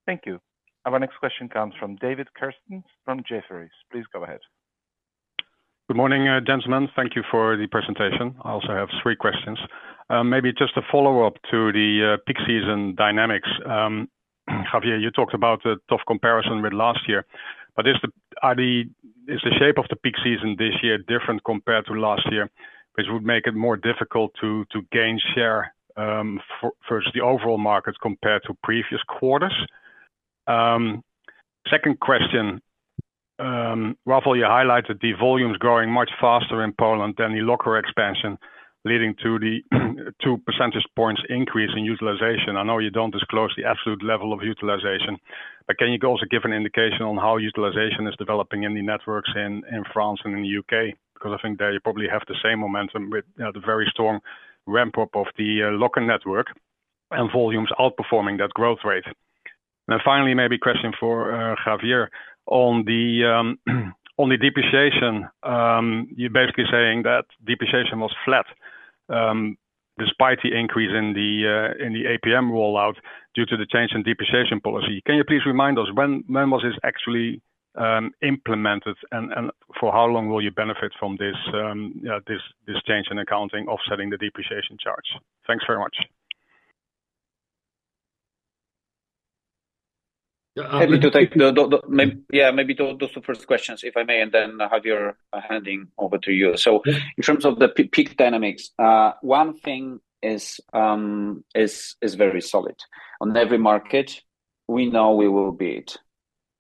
Thank you. Our next question comes from David Kerstens from Jefferies. Please go ahead. Good morning, gentlemen. Thank you for the presentation. I also have three questions, maybe just a follow up to the peak season dynamics. Javier, you talked about a tough comparison with last year, but is the shape of the peak season this year different compared to last year, which would make it more difficult to gain share versus the overall markets compared to previous quarters? Second question. Rafał, you highlighted the volumes growing much faster in Poland than the locker expansion leading to the 2 percentage points increase in utilization? I know you don't disclose the absolute level of utilization, but can you also give an indication on how utilization is developing in the networks in France and in the UK? Because I think they probably have the same momentum with the very strong ramp up of the locker network and volumes outperforming that growth rate. And finally, maybe question for Javier on the, on the depreciation, you're basically saying that depreciation was flat despite the increase in the, in the APM rollout due to the change in depreciation policy. Can you please remind us when was this actually implemented and for how long will you benefit from this change in accounting offsetting the depreciation charge? Thanks very much. Yeah, maybe those are the first questions if I may and then hand it over to you. So in terms of the peak dynamics, one thing is very solid. On every market we know we will beat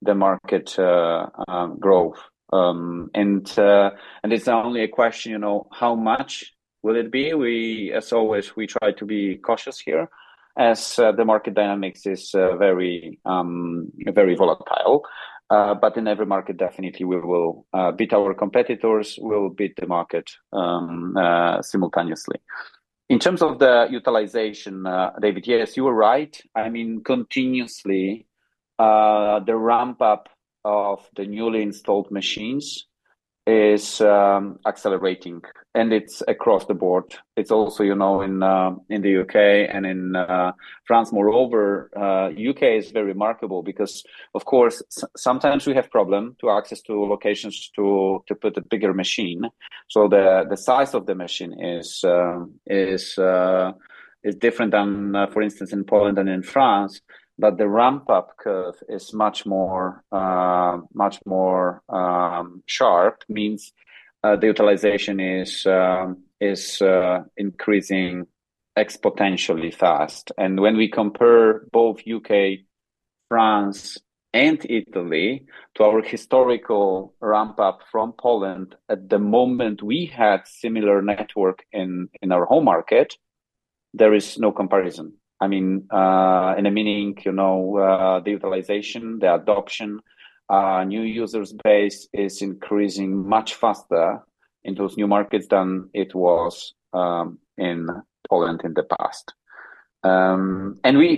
the market growth. And, and it's not only a question, you know, how much will it be. We as always we try to be cautious here as the market dynamics is very, very volatile. But in every market definitely we will beat our competitors, we'll beat the market simultaneously. In terms of the utilization. David. Yes, you were right. I mean continuously the ramp up of the newly installed machines is accelerating and it's across the board. It's also you know, in the UK and in France; moreover, UK is very remarkable because of course sometimes we have problem to access to locations to put a bigger machine. So the size of the machine is different than for instance in Poland and in France. But the ramp up curve is much more sharp. Means the utilization is increasing exponentially fast. When we compare both UK, France and Italy to our historical ramp up from Poland at the moment we had similar network in our home market, there is no comparison. In the meaning, the utilization, the adoption, new user base is increasing much faster in those new markets than it was in Poland in the past.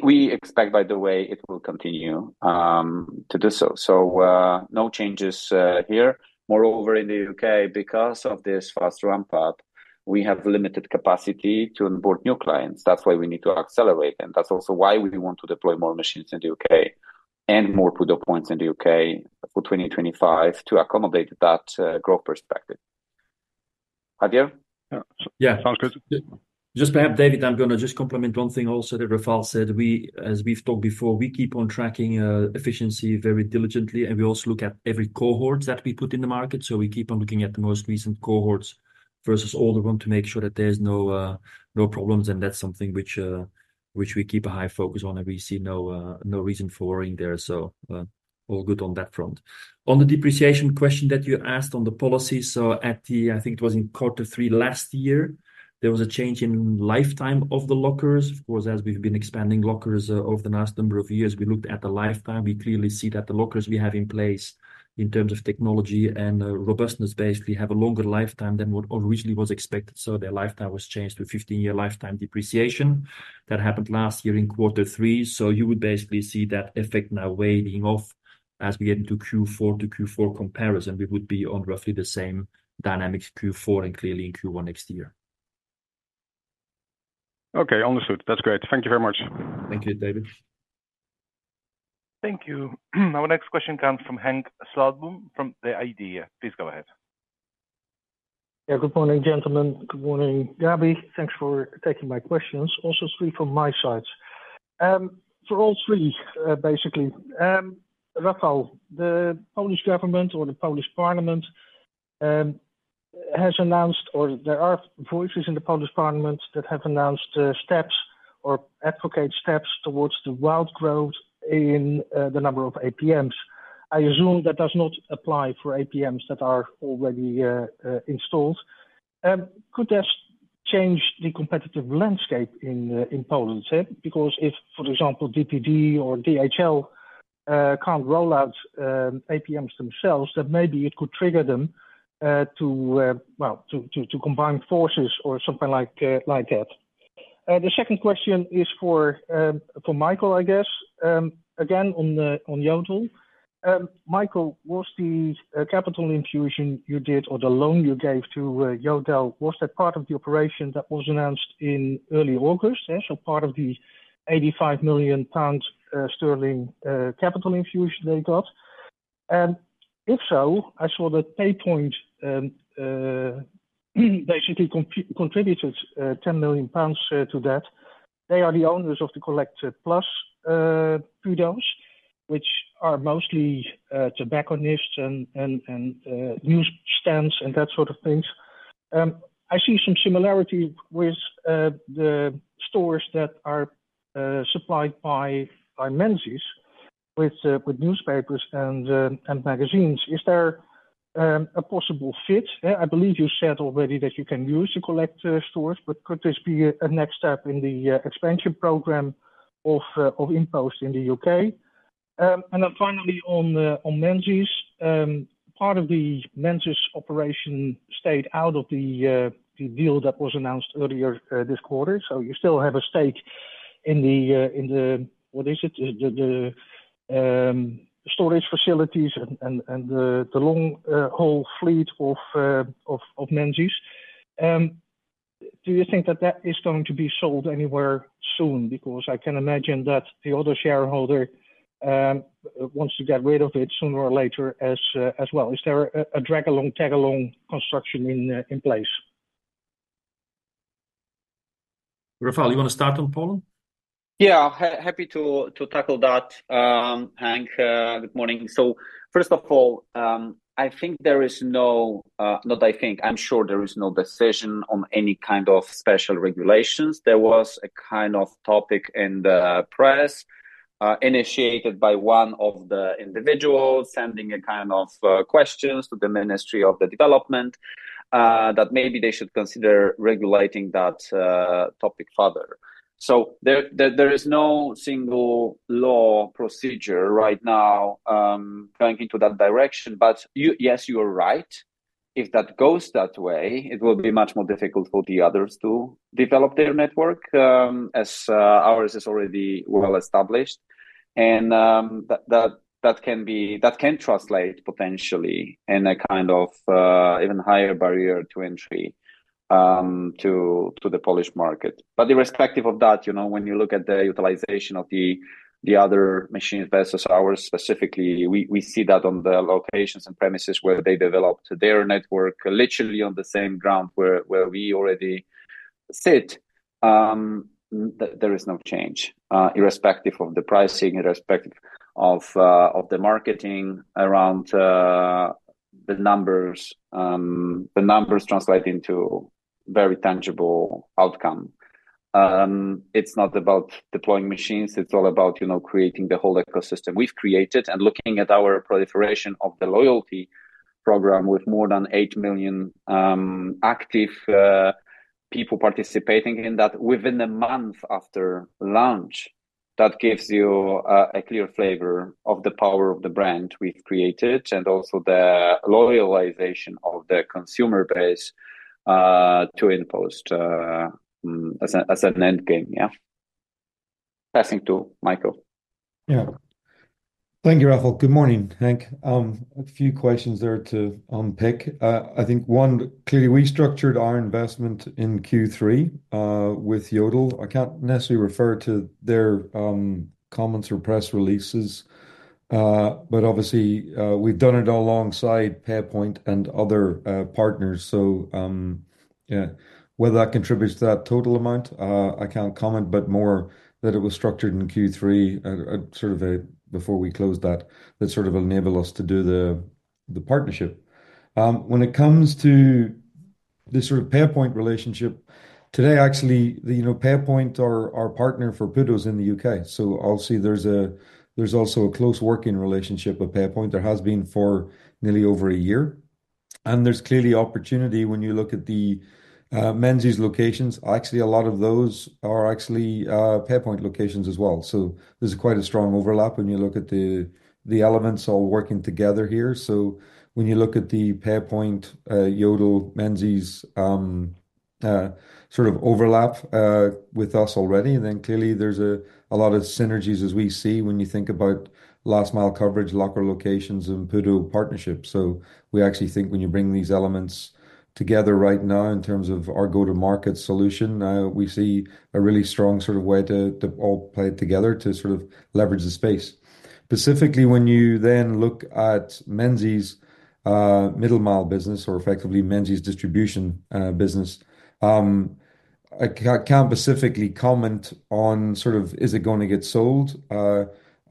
We expect by the way it will continue to do so. So no changes here. Moreover, in the UK because of this fast ramp up we have limited capacity to onboard new clients. That's why we need to accelerate and that's also why we want to deploy more machines in the UK and more PUDO points in the UK for 2025 to accommodate that growth perspective. Yeah, just perhaps David, I'm gonna just compliment one thing also that Rafał said. We, as we've talked before, keep on tracking efficiency very diligently and we also look at every cohorts that we put in the market. So we keep on looking at the most recent cohorts, cohorts versus all the room to make sure that there's no problems. And that's something which we keep a high focus on and we see no reason for worrying there. So all good on that front on the depreciation question that you asked on the policy. So I think it was in Q3 last year, there was a change in lifetime of the lockers. Of course, as we've been expanding lockers over the last number of years, we looked at the lifetime. We clearly see that the lockers we have in place in terms of technology and robustness basically have a longer lifetime than what originally was expected. So their lifetime was changed to a 15-year lifetime depreciation that happened last year in Q3. So you would basically see that effect now fading off as we get into Q4 to Q4 comparison. We would be on roughly the same dynamics, Q4 and clearly in Q1 next year. Okay, understood. That's great. Thank you very much. Thank you, David. Thank you. Our next question comes from Henk Slotboom from The Idea. Please go ahead. Yeah. Good morning gentlemen. Good morning, Gabi. Thanks for taking my questions. Also three from my side for all three. Basically, Rafał, the Polish government or the Polish Parliament has announced or there are voices in the Polish Parliament that have announced steps or advocate steps towards the wild growth in the number of APMs. I assume that does not apply for APMs that are already installed. Could this change the competitive landscape in Poland? Because if, for example, DPD or DHL can't roll out APMs themselves, that maybe it could trigger them to, well, to combine forces or something like that. The second question is for Michael, I guess again on Yodel, Michael, was the capital infusion you did or the loan you gave to Yodel? Was that part of the operation that was announced in early August? So part of the 85 million pound capital infusion they got? If so, I saw that PayPoint basically contributed 10 million pounds to that. They are the owners of the Collect+ kiosks, which are mostly tobacco, gifts and newsstands and that sort of things. I see some similarity with the stores that are supplied by Menzies with newspapers and magazines. Is there a possible fit? I believe you said already that you can use the Collect+ stores, but could this be a next step in the expansion program of InPost in the UK? Then finally on Menzies. Part of the Menzies operation stayed out of the deal that was announced earlier this quarter. So you still have a stake in the. What is it? The storage facilities and the long-haul fleet of Menzies. Do you think that that is going to be sold anywhere soon because I can imagine that the other shareholder wants to get rid of it sooner or later as well. Is there a drag-along, tag-along construction in place? Rafał, you want to start on Poland? Yeah, happy to tackle that. Henk, Good morning. So first of all, I'm sure there is no decision on any kind of special regulations. There was a kind of topic in the press initiated by one of the individuals sending a kind of questions to the Ministry of the Development that maybe they should consider regulating that topic further. So there is no single law procedure right now going into that direction. But yes, you are right, if that goes that way, it will be much more difficult for the others to develop their network as ours is already well established, and that can translate potentially in a kind of even higher barrier to entry to the Polish market. But irrespective of that, when you look at the utilization of the other machines versus ours specifically. We see that on the locations and premises where they developed their network, literally on the same ground where we already sit, there is no change. Irrespective of the pricing, irrespective of the marketing around the numbers. The numbers translate into very tangible outcome. It's not about deploying machines, it's all about, you know, creating the whole ecosystem we've created. And looking at our proliferation of the loyalty program with more than eight million active people participating in that within a month after launch. That gives you a clear flavor of the power of the brand we've created and also the loyalization of the consumer base to InPost as an end game. Yeah, passing to Michael. Yeah, thank you, Rafał. Good morning, Henk. A few questions there to unpick. One, clearly we structured our investment in Q3 with Yodel. I can't necessarily refer to their comments or press releases, but obviously we've done it alongside PayPoint and other partners. So yeah, whether that contributes to that total amount, I can't comment. But more that it was structured in Q3 sort of before we close that sort of enable us to do the. The partnership when it comes to this sort of PayPoint relationship today actually PayPoint is our partner for PUDOs in the UK. So I'll see. There's also a close working relationship with PayPoint. There has been for nearly over a year and there's clearly opportunity when you look at the Menzies locations, actually a lot of those are actually PayPoint locations as well. There's quite a strong overlap. When you look at the elements all working together here. When you look at the PayPoint Yodel Menzies sort of overlap with us already and then clearly there's a lot of synergies as we see when you think about last mile coverage, locker locations and PUDO partnership. We actually think when you bring these elements together right now in terms of our go to market solution, we see a really strong sort of way to all play together to sort of leverage the space. Specifically when you then look at Menzies middle mile business or effectively Menzies distribution business, I can't specifically comment on sort of is it going to get sold?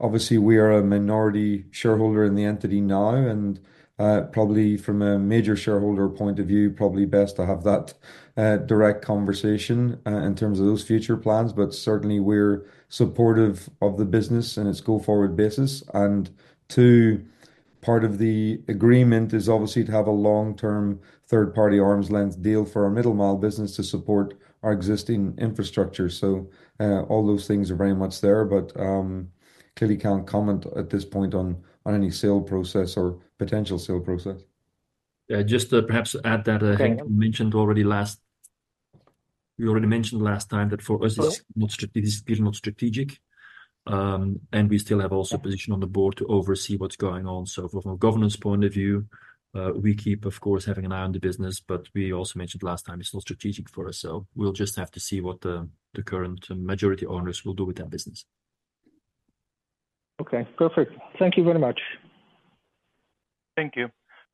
Obviously we are a minority shareholder in the entity now and probably from a major shareholder point of view probably best to have that direct conversation in terms of those future plans. But certainly we're supportive of the business and its go forward basis. And too, part of the agreement is obviously to have a long term third party arm's length deal for our middle mile business to support our existing infrastructure. So all those things are very much there. But clearly can't comment at this point on any sale process or potential sale process. Just perhaps add that Henk mentioned already last. We already mentioned last time that for us this is not strategic and we still have also position on the board to oversee what's going on. So from a governance point of view we keep of course having an eye on the business but we also mentioned last time it's not strategic for us. So we'll just have to see what the current majority owners will do with that business. Okay, perfect. Thank you very much. Thank you.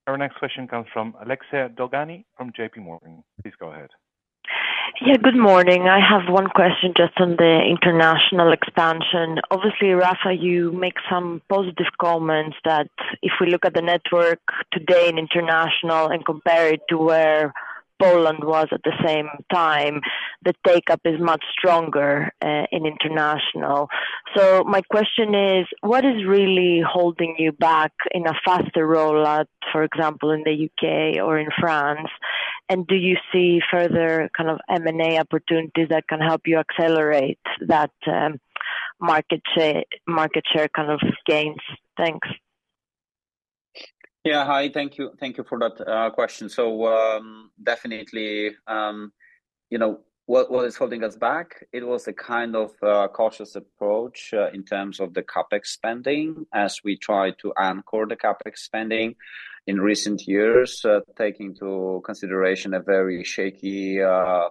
Our next question comes from Alexei Gogolev from JPMorgan. Please go ahead. Yeah, Good morning. I have one question just on the international expansion. Obviously Rafa, you make some positive comments that if we look at the network today in international and compare it to where Poland was at the same time the take up is much stronger in international. So my question is what is really holding you back in a faster rollout for example in the UK or in France? Do you see further kind of M&A opportunity that can help you accelerate that market share. Market share kind of gains. Thanks. Yeah, Hi, thank you for that question. So definitely what is holding us back? It was a kind of cautious approach in terms of the CapEx spending as we try to anchor the CapEx spending in recent years taking into consideration a very shaky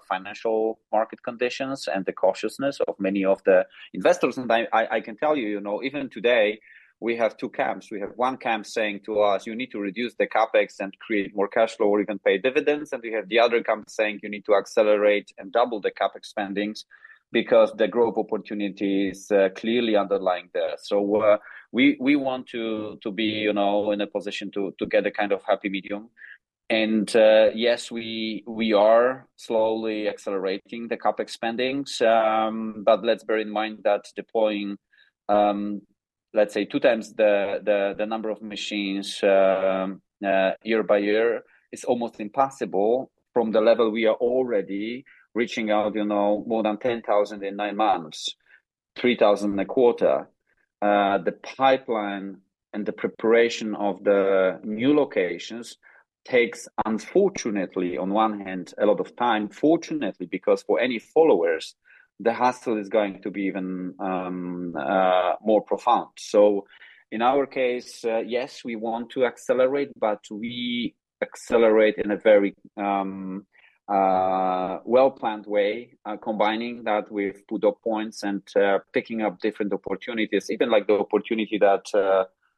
financial market conditions and the cautiousness of many of the investors. I can tell you even today we have two camps. We have one camp saying to us, you need to reduce the CapEx and create more cash flow or even pay dividends. We have the other camp saying you need to accelerate and double the CapEx spendings because the growth opportunity is clearly underlying there. So we want to be in a position to get a kind of happy medium. And yes, we are slowly accelerating the CapEx spendings. Let's bear in mind that deploying, let's say, two times the number of machines year by year is almost impossible from the level we are already reaching: more than 10,000 in nine months, 3,000 a quarter. The pipeline and the preparation of the new locations takes unfortunately on one hand a lot of time. Fortunately, because for any followers the hassle is going to be even more profound. In our case, yes, we want to accelerate, but we accelerate in a very planned way combining that with PUDO points and picking up different opportunities. Even like the opportunity that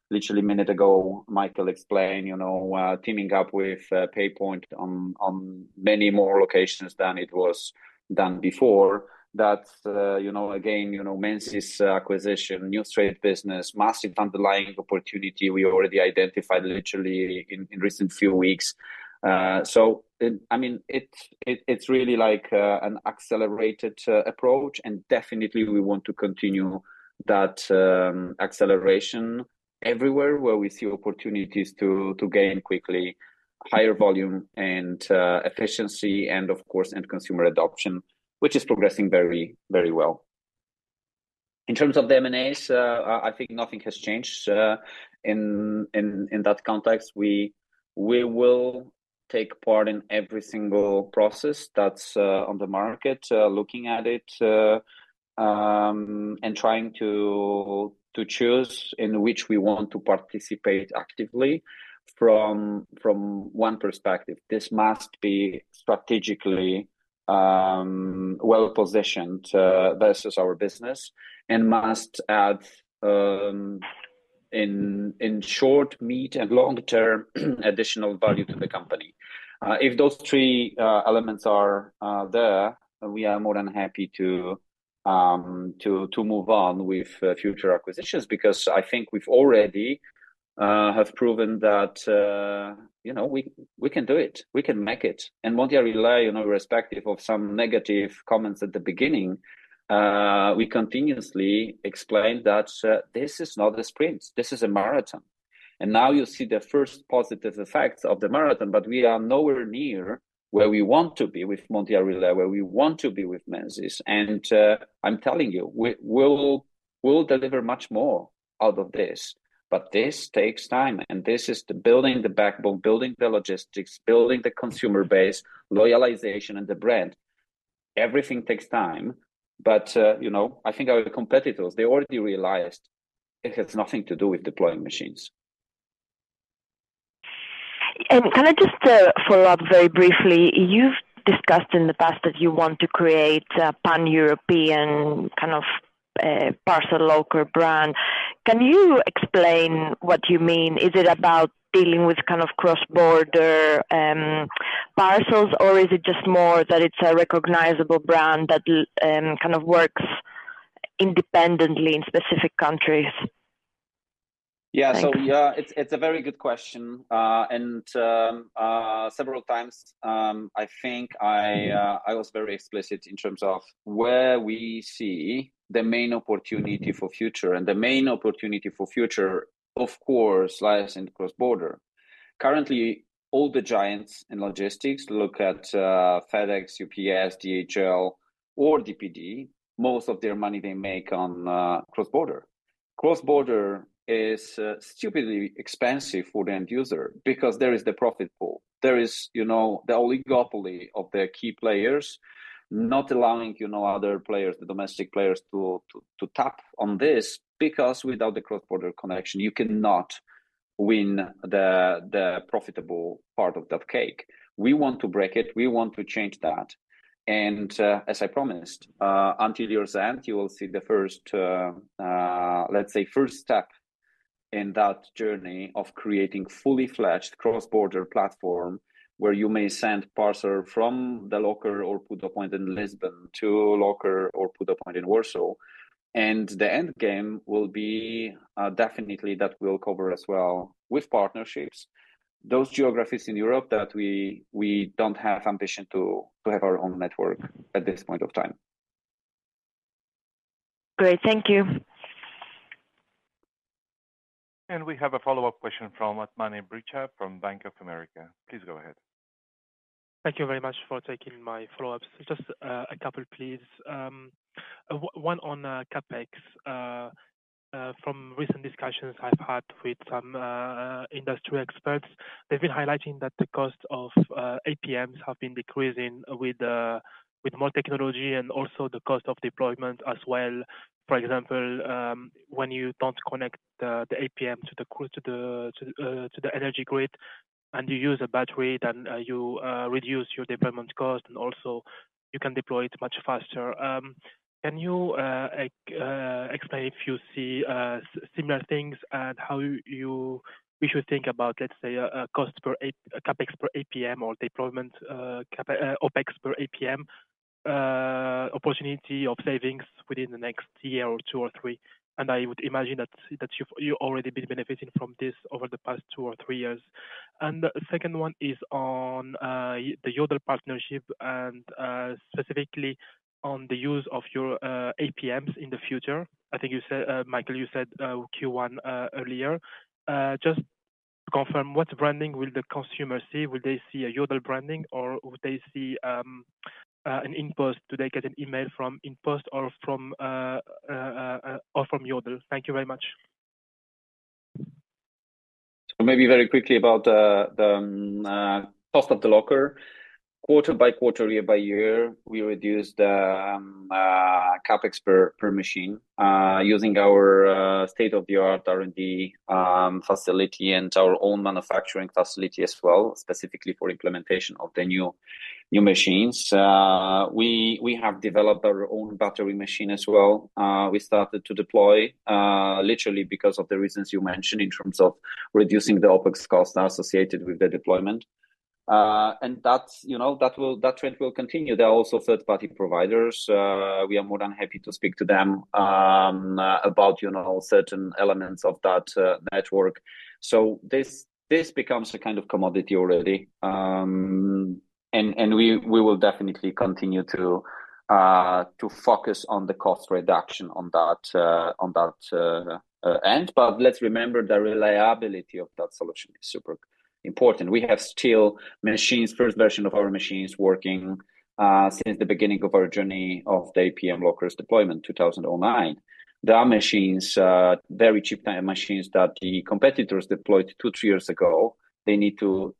literally a minute ago Michael explained teaming up with PayPoint on many more locations than it was done before that Menzies acquisition, newstrade business, massive underlying opportunity we already identified literally in recent few weeks. So I mean it, it's really like an accelerated approach and definitely we want to continue that acceleration everywhere where we see opportunities to gain quickly higher volume and efficiency and of course end consumer adoption which is progressing very, very well. In terms of the M&A, I think nothing has changed in that context. We will take part in every single process that's on the market, looking at it and trying to choose in which we want to participate actively. From one perspective, this must be strategically well positioned versus our business and must add in short, mid and long term additional value to the company. If those three elements are there, we are more than happy to move on with future acquisitions because I think we've already proven that we can do it, we can make it. And Mondial Relay, irrespective of some negative comments at the beginning, we continuously explained that this is not a sprint, this is a marathon. And now you see the first positive effects of the marathon. But we are nowhere near where we want to be with Mondial Relay, where we want to be with Menzies. I'm telling you we will deliver much more out of this. But this takes time and this is building the backbone, building the logistics, building the consumer base, loyalization and the brand. Everything takes time. But you know, I think our competitors, they already realized it has nothing to do with deploying machines. Can I just follow up very briefly? You've discussed in the past that you want to create pan-European kind of parcel locker brand. Can you explain what you mean? Is it about dealing with kind of cross-border parcels or is it just more that it's a recognizable brand that kind of works independently in specific countries? Yeah, so it's a very good question, and several times I was very explicit in terms of where we see the main opportunity for future, and the main opportunity for future of course lies in cross border. Currently all the giants in logistics look at FedEx, UPS, DHL or DPD. Most of their money they make on cross border. Cross border is stupidly expensive for the end user because there is the profit pool, there is the oligopoly of the key players not allowing, you know, other players, the domestic players to tap on this because without the cross border connection you cannot win the profitable part of the cake. We want to break it. We want to change that. As I promised until your end you will see the first, let's say first step in that journey of creating fully fledged cross-border platform where you may send parcel from the locker or PUDO point in Lisbon to locker or PUDO point in Warsaw and the end game will be definitely that we'll cover as well with partnerships those geographies in Europe that we don't have ambition to have our own network at this point of time. Great, thank you. We have a follow-up question from Othmane Bricha from Bank of America. Please go ahead. Thank you very much for taking my follow-ups. Just a couple please. One on CapEx from recent discussions I've had with some industry experts. They've been highlighting that the cost of APMs have been decreasing with more technology and also the cost of deployment as well. For example, when you don't connect the APM to the energy grid and you use a battery then you reduce your deployment cost and also you can deploy it much faster. Can you explain if you see similar things and how you we should think about let's say cost per CapEx per APM or deployment OpEx per APM opportunity of savings within the next year or two or three. I would imagine that you've already been benefiting from this over the past two or three years, and the second one is on the Yodel partnership and specifically on the use of your APMs in the future. Michael, you said Q1 earlier, just to confirm what branding will the consumer see? Will they see a Yodel branding or would they see an InPost? Do they get an email from InPost or from Yodel? Thank you very much. Maybe very quickly about the cost of the locker quarter by quarter, year by year. We reduced CapEx per machine using our state-of-the-art R&D facility and our own manufacturing facility as well, specifically for implementation of the new machines. We have developed our own battery machine as well. We started to deploy literally because of the reasons you mentioned in terms of reducing the OpEx costs associated with the deployment that will continue. There are also third-party providers. We are more than happy to speak to them about certain elements of that network. So this becomes a kind of commodity already, and we will definitely continue to focus on the cost reduction on that end. But let's remember the reliability of that solution is super important. We have still machines, first version of our machines working since the beginning of our journey of the APM lockers deployment 2009. There are machines, very cheap machines that the competitors deployed two, three years ago. They need to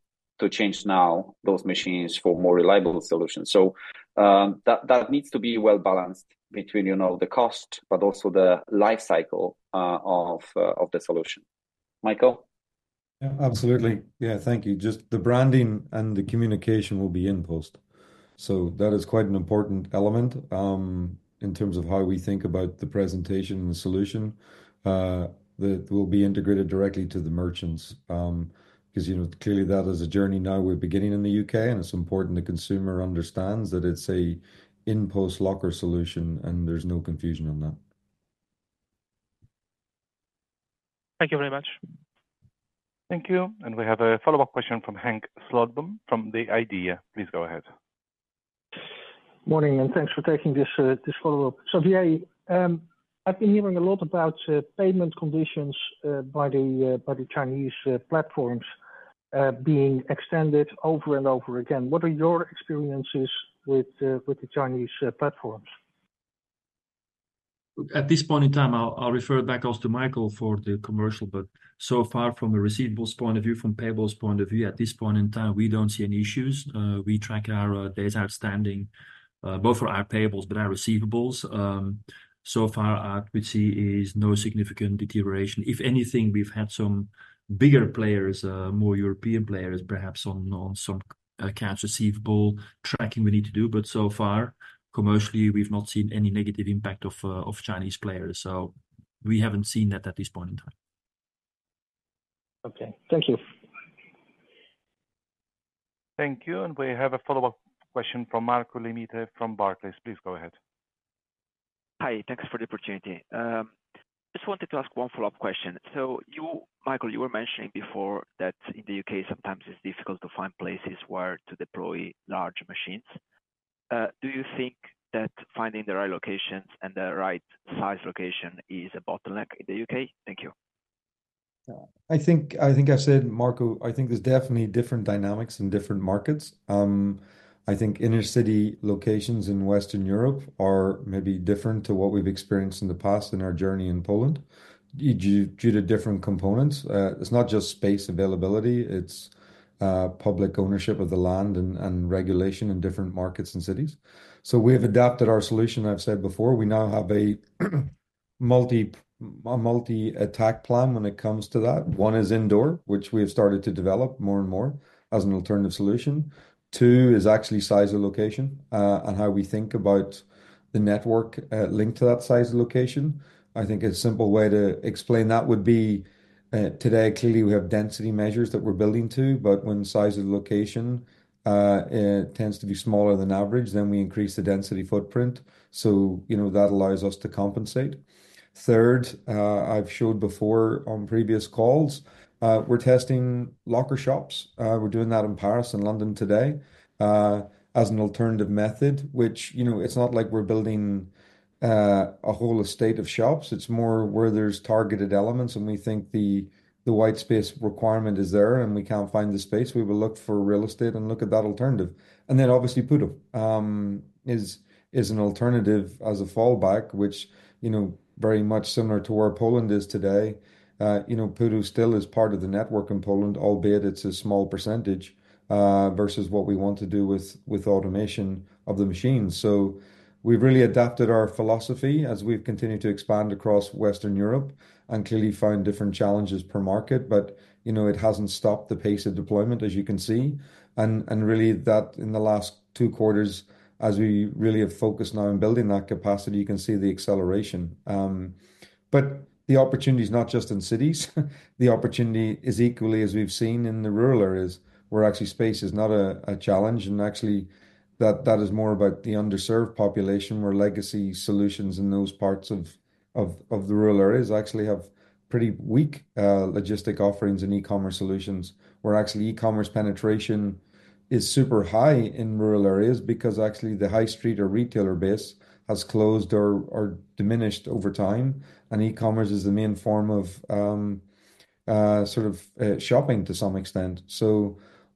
change now those machines for more reliable solutions. So that needs to be well balanced between the cost but also the life cycle of the solution. Michael? Absolutely, thank you. Just the branding and the communication will be impulsed, so that is quite an important, important element in terms of how we think about the presentation and the solution that will be integrated directly to the merchants because you know clearly that is a journey now we're beginning in the UK and it's important the consumer understands that it's an InPost locker solution and there's no confusion on that. Thank you very much. Thank you. We have a follow-up question from Henk Slotboom from The Idea. Please go ahead. Morning and thanks for taking this follow-up. So Rafał, I've been hearing a lot about payment conditions by the Chinese platforms being extended over and over again. What are your experiences with the Chinese platforms? At this point in time? I'll refer back also to Michael for the commercial, but so far from a receivables point of view, from payables point of view at this point in time we don't see any issues. We track our days outstanding both for our payables but our receivables so far we see is no significant deterioration. If anything we've had some bigger players, more European players perhaps on some accounts receivable tracking we need to do but so far commercially we've not seen any negative impact of Chinese players so we haven't seen that at this point in time. Okay, thank you. Thank you. We have a follow-up question from Marco Limite from Barclays. Please go ahead. Hi, thanks for the opportunity. Just wanted to ask one follow-up question. So you, Michael, you were mentioning before that in the UK sometimes it's difficult to find places where to deploy large machines. Do you think that finding the right locations and the right size location is a bottleneck in the UK? Thank you. I've said, Marco, there's definitely different dynamics in different markets. I think inner city locations in Western Europe are maybe different to what we've experienced in the past in our journey in Poland due to different components. It's not just space availability, it's public ownership of the land and regulation in different markets and cities. So we have adapted our solution. I've said before we now have a multi attack plan when it comes to that. One is indoor which we have started to develop more and more as an alternative solution. Two is actually size of location and how we think about the network linked to that size of location. A simple way to explain that would be today. Clearly, we have density measures that we're building to, but when the size of location tends to be smaller than average, then we increase the density footprint. So that allows us to compensate. Third, I've showed before on previous calls we're testing locker shops. We're doing that in Paris and London today as an alternative method which, you know, it's not like we're building a whole estate of shops, it's more where there's targeted elements and we think the white space requirement is there and we can't find the space. We will look for real estate and look at that alternative and then obviously PUDO is an alternative as a fallback which you know, very much similar to where Poland is today. You know, PUDO still is part of the network in Poland, albeit it's a small percentage versus what we want to do with automation of the machines. So we've really adapted our philosophy as we've continued to expand across Western Europe and clearly found different challenges per market. It hasn't stopped the pace of deployment as you can see. And really that in the last two quarters, as we really have focused now in building that capacity, you can see the acceleration but the opportunity is not just in cities. The opportunity is equally as we've seen in the rural areas, where actually space is not a challenge and actually that is more about the underserved population where legacy solutions and those parts of the rural areas actually have pretty weak logistics offerings and e-commerce solutions, where actually e-commerce penetration is super high in rural areas because actually the high street or retailer base has closed or diminished over time and e-commerce is the main form of sort of shopping to some extent.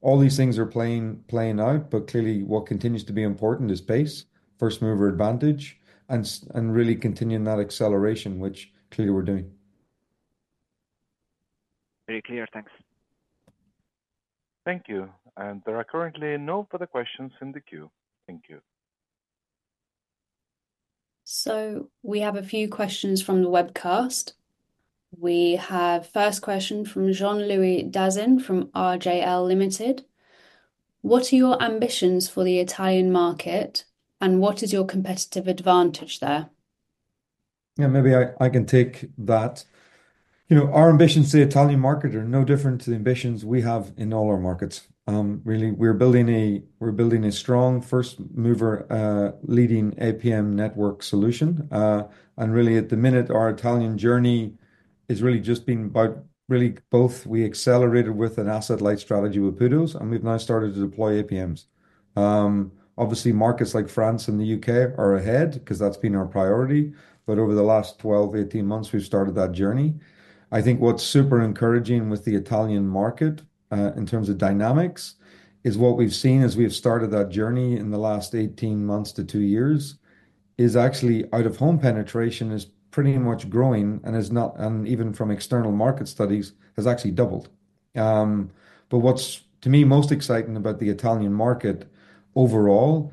All these things are playing out, but clearly what continues to be important is space first-mover advantage and really continuing that acceleration, which clearly we're doing. Very clear. Thanks. Thank you. There are currently no further questions in the queue. Thank you. So we have a few questions from the webcast. We have first question from Jean-Louis Dazin from RJL Ltd. What are your ambitions for the Italian market and what is your competitive advantage there? Yeah, maybe I can take that. Our ambitions to the Italian market are no different to the ambitions we have in all our markets. Really we're building a strong first mover leading APM network solution and really at the minute our Italian journey has really just been about really both. We accelerated with an asset light strategy with PUDOs and we've now started to deploy APMs. Obviously markets like France and the UK are ahead because that's been our priority. But over the last 12, 18 months we've started that journey. What's super encouraging with the Italian market in terms of dynamics is what we've seen as we have started that journey in the last 18 months to 2 years is actually out of home penetration is pretty much growing and is not and even from external market studies has actually doubled. But what's to me most exciting about the Italian market overall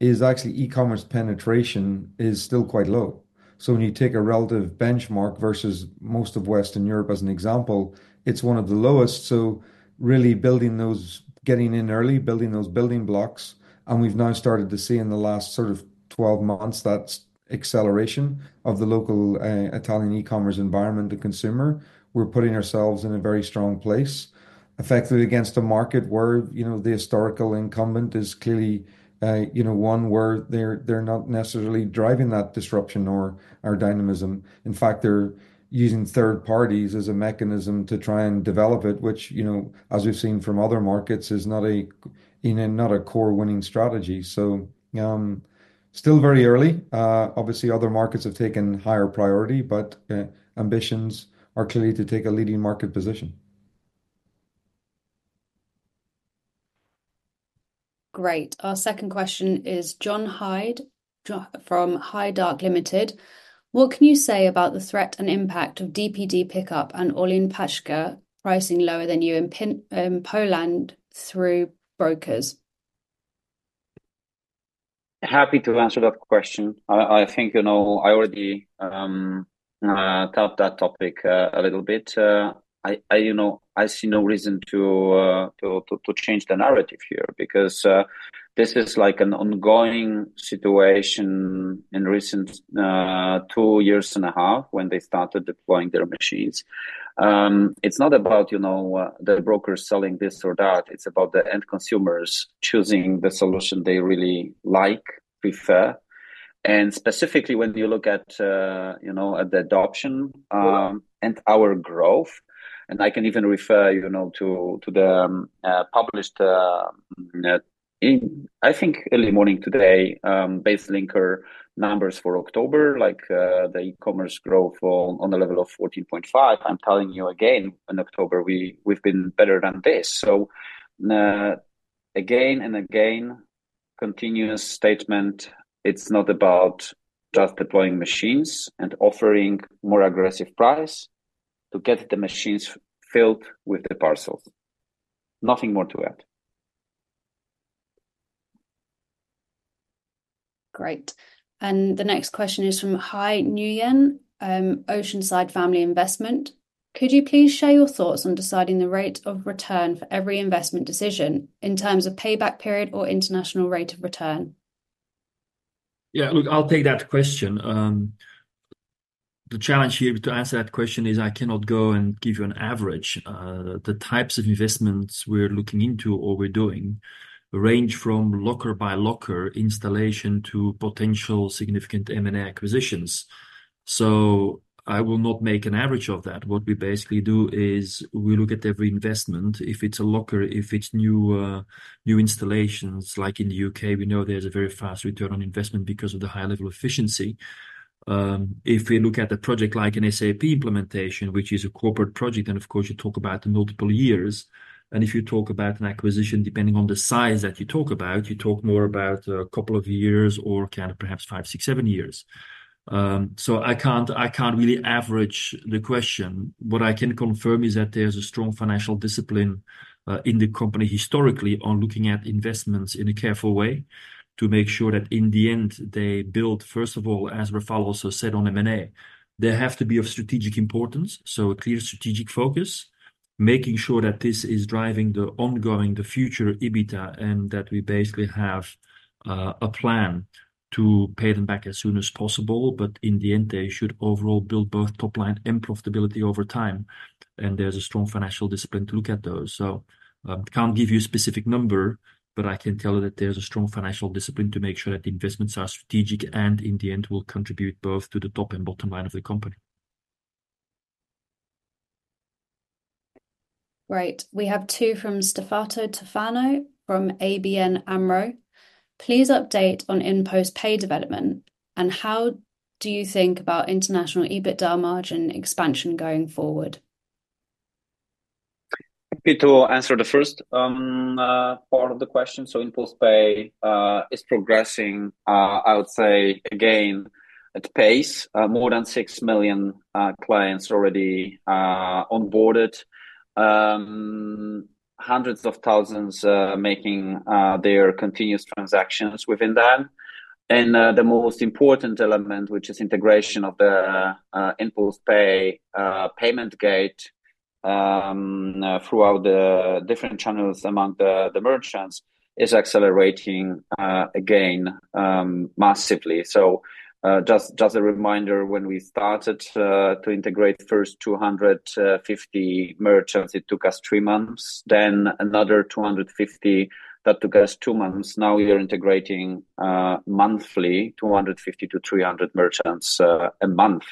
is actually e-commerce penetration is still quite low. So when you take a relative benchmark versus most of Western Europe as an example, it's one of the lowest. So really building those, getting in early, building those building blocks and we've now started to see in the last sort of 12 months the acceleration of the local Italian e-commerce environment. The consumer. We're putting ourselves in a very strong place effectively against a market where the historical incumbent is clearly one where they're not necessarily driving that disruption or that dynamism. In fact, they're using third parties as a mechanism to try and develop it, as we've seen from other markets is not a core winning strategy. So still very early. Obviously other markets have taken higher priority, but ambitions are clearly to take a leading market position. Great. Our second question is John Hyde from Haidar Limited. What can you say about the threat and impact of DPD Pickup and Orlen Paczka pricing lower than you in Poland through brokers? Happy to answer that question. I already taught that topic a little bit. I see no reason to change the narrative here because this is like an ongoing situation in recent two years and a half when they started deploying their machines. It's not about the brokers selling this or that. It's about the end consumers choosing the solution they really like, prefer. Specifically when you look at the adoption and our growth and I can even refer to the published early morning today BaseLinker numbers for October like the e-commerce growth on the level of 14.5%. I'm telling you again, in October been better than this. So again and again continuous statement. It's not about just deploying machines and offering more aggressive price to get the machines filled with the parcels. Nothing more to add. Great. The next question is from Hai Nguyen, Oceanside Family Investment. Could you please share your thoughts on deciding the rate of return for every investment decision in terms of payback period or internal rate of return? Yeah, look, I'll take that question. The challenge here to answer that question is I cannot go and give you an average. The types of investments we're looking into or we're doing range from locker by locker installation to potential significant M&A acquisitions. So I will not make an average of that. What we basically do is we look at every investment. If it's a locker, if it's new installations like in the UK, we know there's a very fast return on investment because of the high level efficiency. If we look at a project like an SAP implementation which is a corporate project and of course you talk about the multiple years and if you talk about an acquisition depending on the size that you talk about, you talk more about a couple of years or kind of perhaps five, six, seven years. So I can't really average the question. What I can confirm is that there's a strong financial discipline in the company historically on looking at investments in a careful way to make sure that in the end they build. First of all, as Rafał also said on M&A, they have to be of strategic importance. So a clear strategic focus, making sure that this is driving the ongoing, the future EBITDA and that we basically have a plan to pay them back as soon as possible. But in the end they should overall build both top line and profitability over time. There's a strong financial discipline to look at those so can't give you a specific number, but I can tell you that there's a strong financial discipline to make sure that the investments are strategic and in the end will contribute both to the top and bottom line of the company. Right. We have two from Stefano Tofano from ABN AMRO. Please update on InPost Pay development and how do you think about international EBITDA margin expansion going forward? To answer the first part of the question, so InPost Pay is progressing, I would say again at pace. More than six million clients already onboarded. Hundreds of thousands making their continuous transactions within that. The most important element which is integration of the InPost Pay payment gate throughout the different channels among the merchants is accelerating again massively. So just a reminder, when we started to integrate first 250 merchants, it took us three months. Then another 250 that took us two months. Now we are integrating monthly 250 to 300 merchants a month.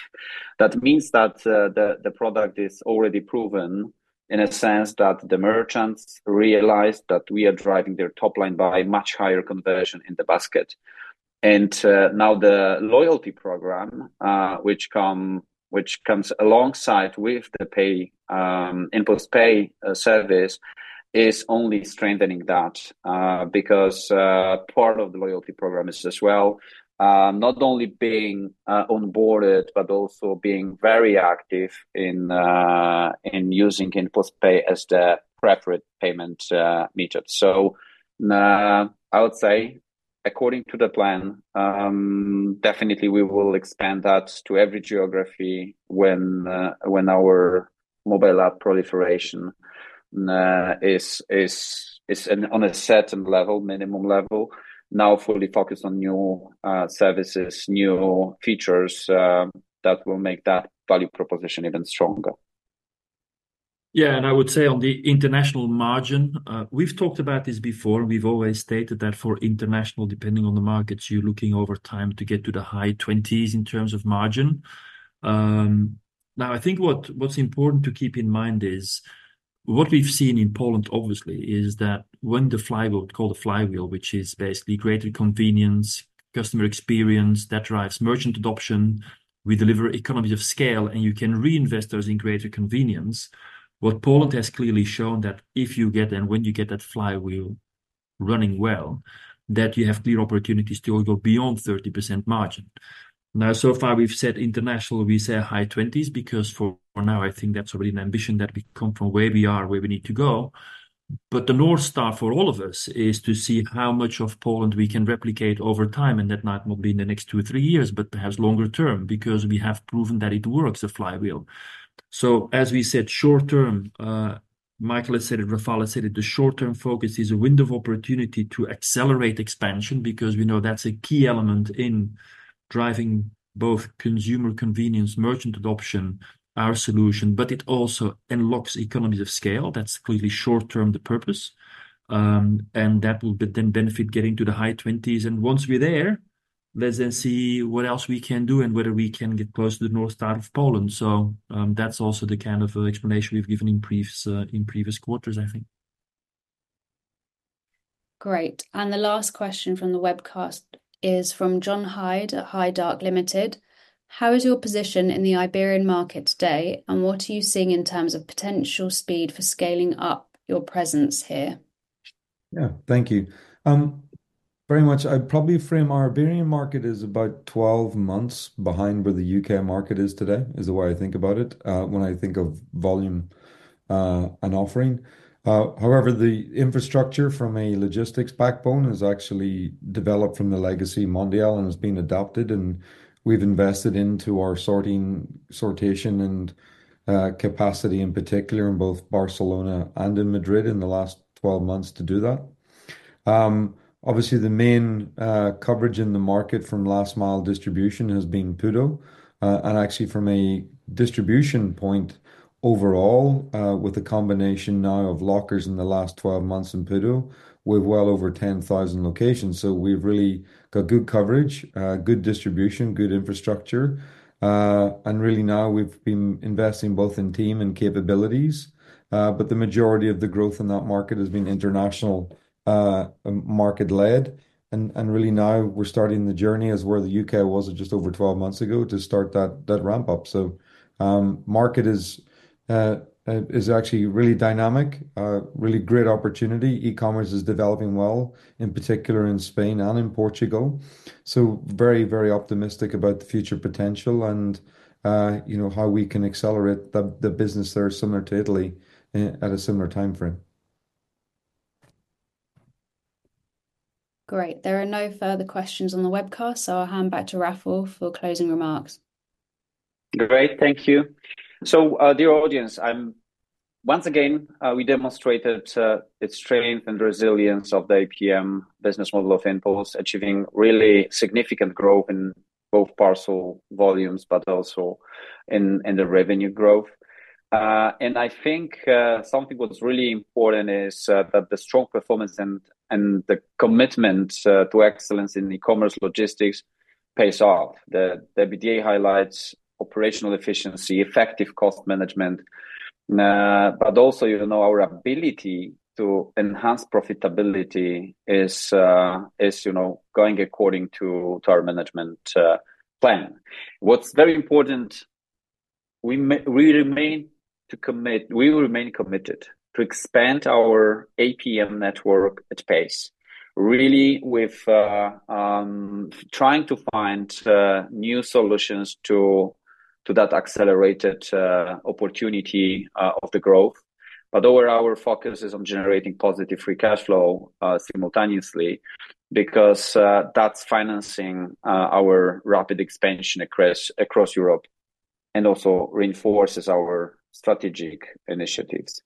That means that the product is already proven in a sense that the merchants realized that we are driving their top line by much higher conversion in the basket. Now the loyalty program which comes alongside with the InPost Pay service is only strengthening that because part of the loyalty program is as well not only being onboarded but also being very active in using InPost Pay as the preferred payment method, so I would say according to the plan, definitely we will expand that to every geography when our mobile app proliferation is on a certain level, minimum level, now fully focused on new services, new features that will make that value proposition even stronger. Yeah, and I would say on the international margin, we've talked about this before. We've always stated that for international, depending on the markets, you're looking over time to get to the high-20s% margin. Now I think what's important to keep in mind is what we've seen in Poland obviously is that when the flywheel, which is basically greater convenience, customer experience that drives merchant adoption, we deliver economies of scale and you can reinvest those in greater convenience. What Poland has clearly shown that if you get and when you get that flywheel running well, that you have clear opportunities to go beyond 30% margin. Now so far we've said international, we say high-20s% because for now I think that's already an ambition that we come from, where we are, where we need to go. But the North Star for all of us is to see how much of Poland we can replicate over time. And that might not be in the next two or three years. But perhaps longer term because we have proven that it works, of course, flywheel. So as we said short term, Michael has said it, Rafał has said it. The short term focus is a window of opportunity to accelerate expansion because we know that's a key element in driving both consumer convenience, merchant adoption, our solution, but it also unlocks economies of scale. That's clearly short term the purpose and that will then benefit getting to the high 20s and once we're there, then see what else we can do and whether we can get close to the north side of Poland. So that's also the kind of explanation we've given in briefs in previous quarters. Great. And the last question from the webcast is from John Hyde at Haidar Limited. How is your position in the Iberian market today and what are you seeing in terms of potential speed for scaling up your presence here? Yeah, thank you very much. I'd probably frame our Iberian market is about 12 months behind where the UK market is today is the way I think about it when I think of volume and offering. However, the infrastructure from a logistics backbone has actually developed from the legacy Mondial and has been adopted and we've invested into our sorting, sortation and capacity in particular in both Barcelona and in Madrid in the last 12 months to do that. Obviously the main coverage in the market from last mile distribution has been PUDO and actually from a distribution point overall with a combination now of lockers in the last 12 months in Portugal with well over 10,000 locations. So we've really got good coverage, good distribution, good infrastructure and really now we've been investing both in team and capabilities. But the majority of the growth in that market has been international market led. And really now we're starting the journey as where the UK was just over 12 months ago to start that ramp up. So market is actually really dynamic, really great opportunity. E-commerce is developing well in particular in Spain and in Portugal. So very, very optimistic about the future potential and you know, how we can accelerate the business there similar to Italy at a similar time frame. Great. There are no further questions on the webcast, so I'll hand back to Rafał for closing remarks. Great, thank you. Dear audience, once again we demonstrated its strength and resilience of the APM business model of InPost, achieving really significant growth in both parcel volumes, but also in the revenue growth. I think what's really important is that the strong performance and the commitment to excellence in e-commerce logistics pays off. The EBITDA highlights operational efficiency, effective cost management, but also, you know, our ability to enhance profitability is going according to our management plan. What's very important we remain committed to expand our APM network at pace really with trying to find new solutions to that accelerated opportunity of the growth. But overall our focus is on generating positive free cash flow simultaneously because that's financing our rapid expansion across Europe and also reinforces our strategic initiatives.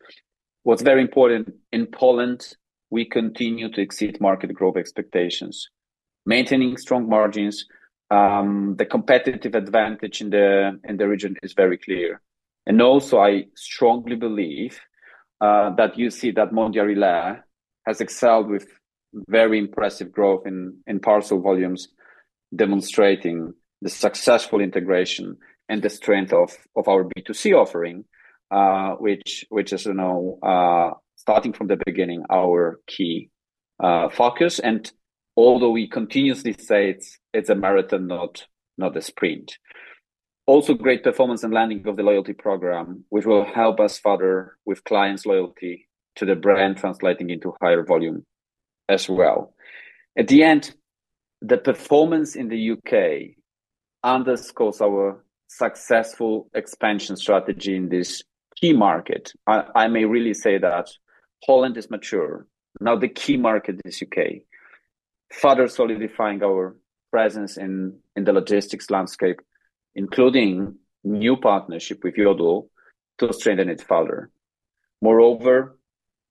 What's very important in Poland, we continue to exceed market growth expectations, maintaining strong margins. The competitive advantage in the region is very clear, and also I strongly believe that you see that Mondial Relay has excelled with very impressive growth in parcel volumes, demonstrating the successful integration and the strength of our B2C offering which is starting from the beginning, our key focus. Although we continuously say it's a marathon, not the sprint. Also great performance and launching of the loyalty program which will help us further with clients' loyalty to the brand translating into higher volume as well. In the end, the performance in the UK underscores our successful expansion strategy in this key market. I may really say that Poland is mature. Now the key market is UK further solidifying our presence in the logistics landscape, including new partnership with Yodel to strengthen its footprint. Moreover,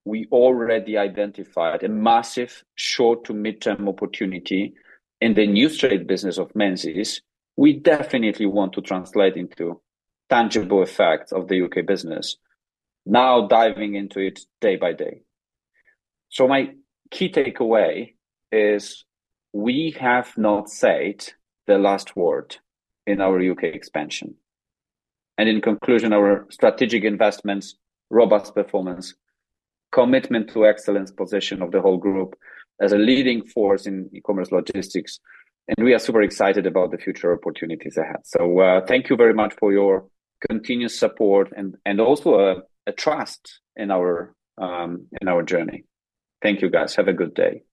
we already identified a massive short- to mid-term opportunity in the new freight business of Menzies. We definitely want to translate into tangible effects of the UK business now diving into it day by day. So my key takeaway is we have not said the last word in our UK expansion and in conclusion, our strategic investments, robust performance, commitment to excellence, position of the whole group as a leading force in e-commerce logistics and we are super excited about the future opportunities ahead. So thank you very much for your continuous support and also a trust in our journey. Thank you guys, have a good day.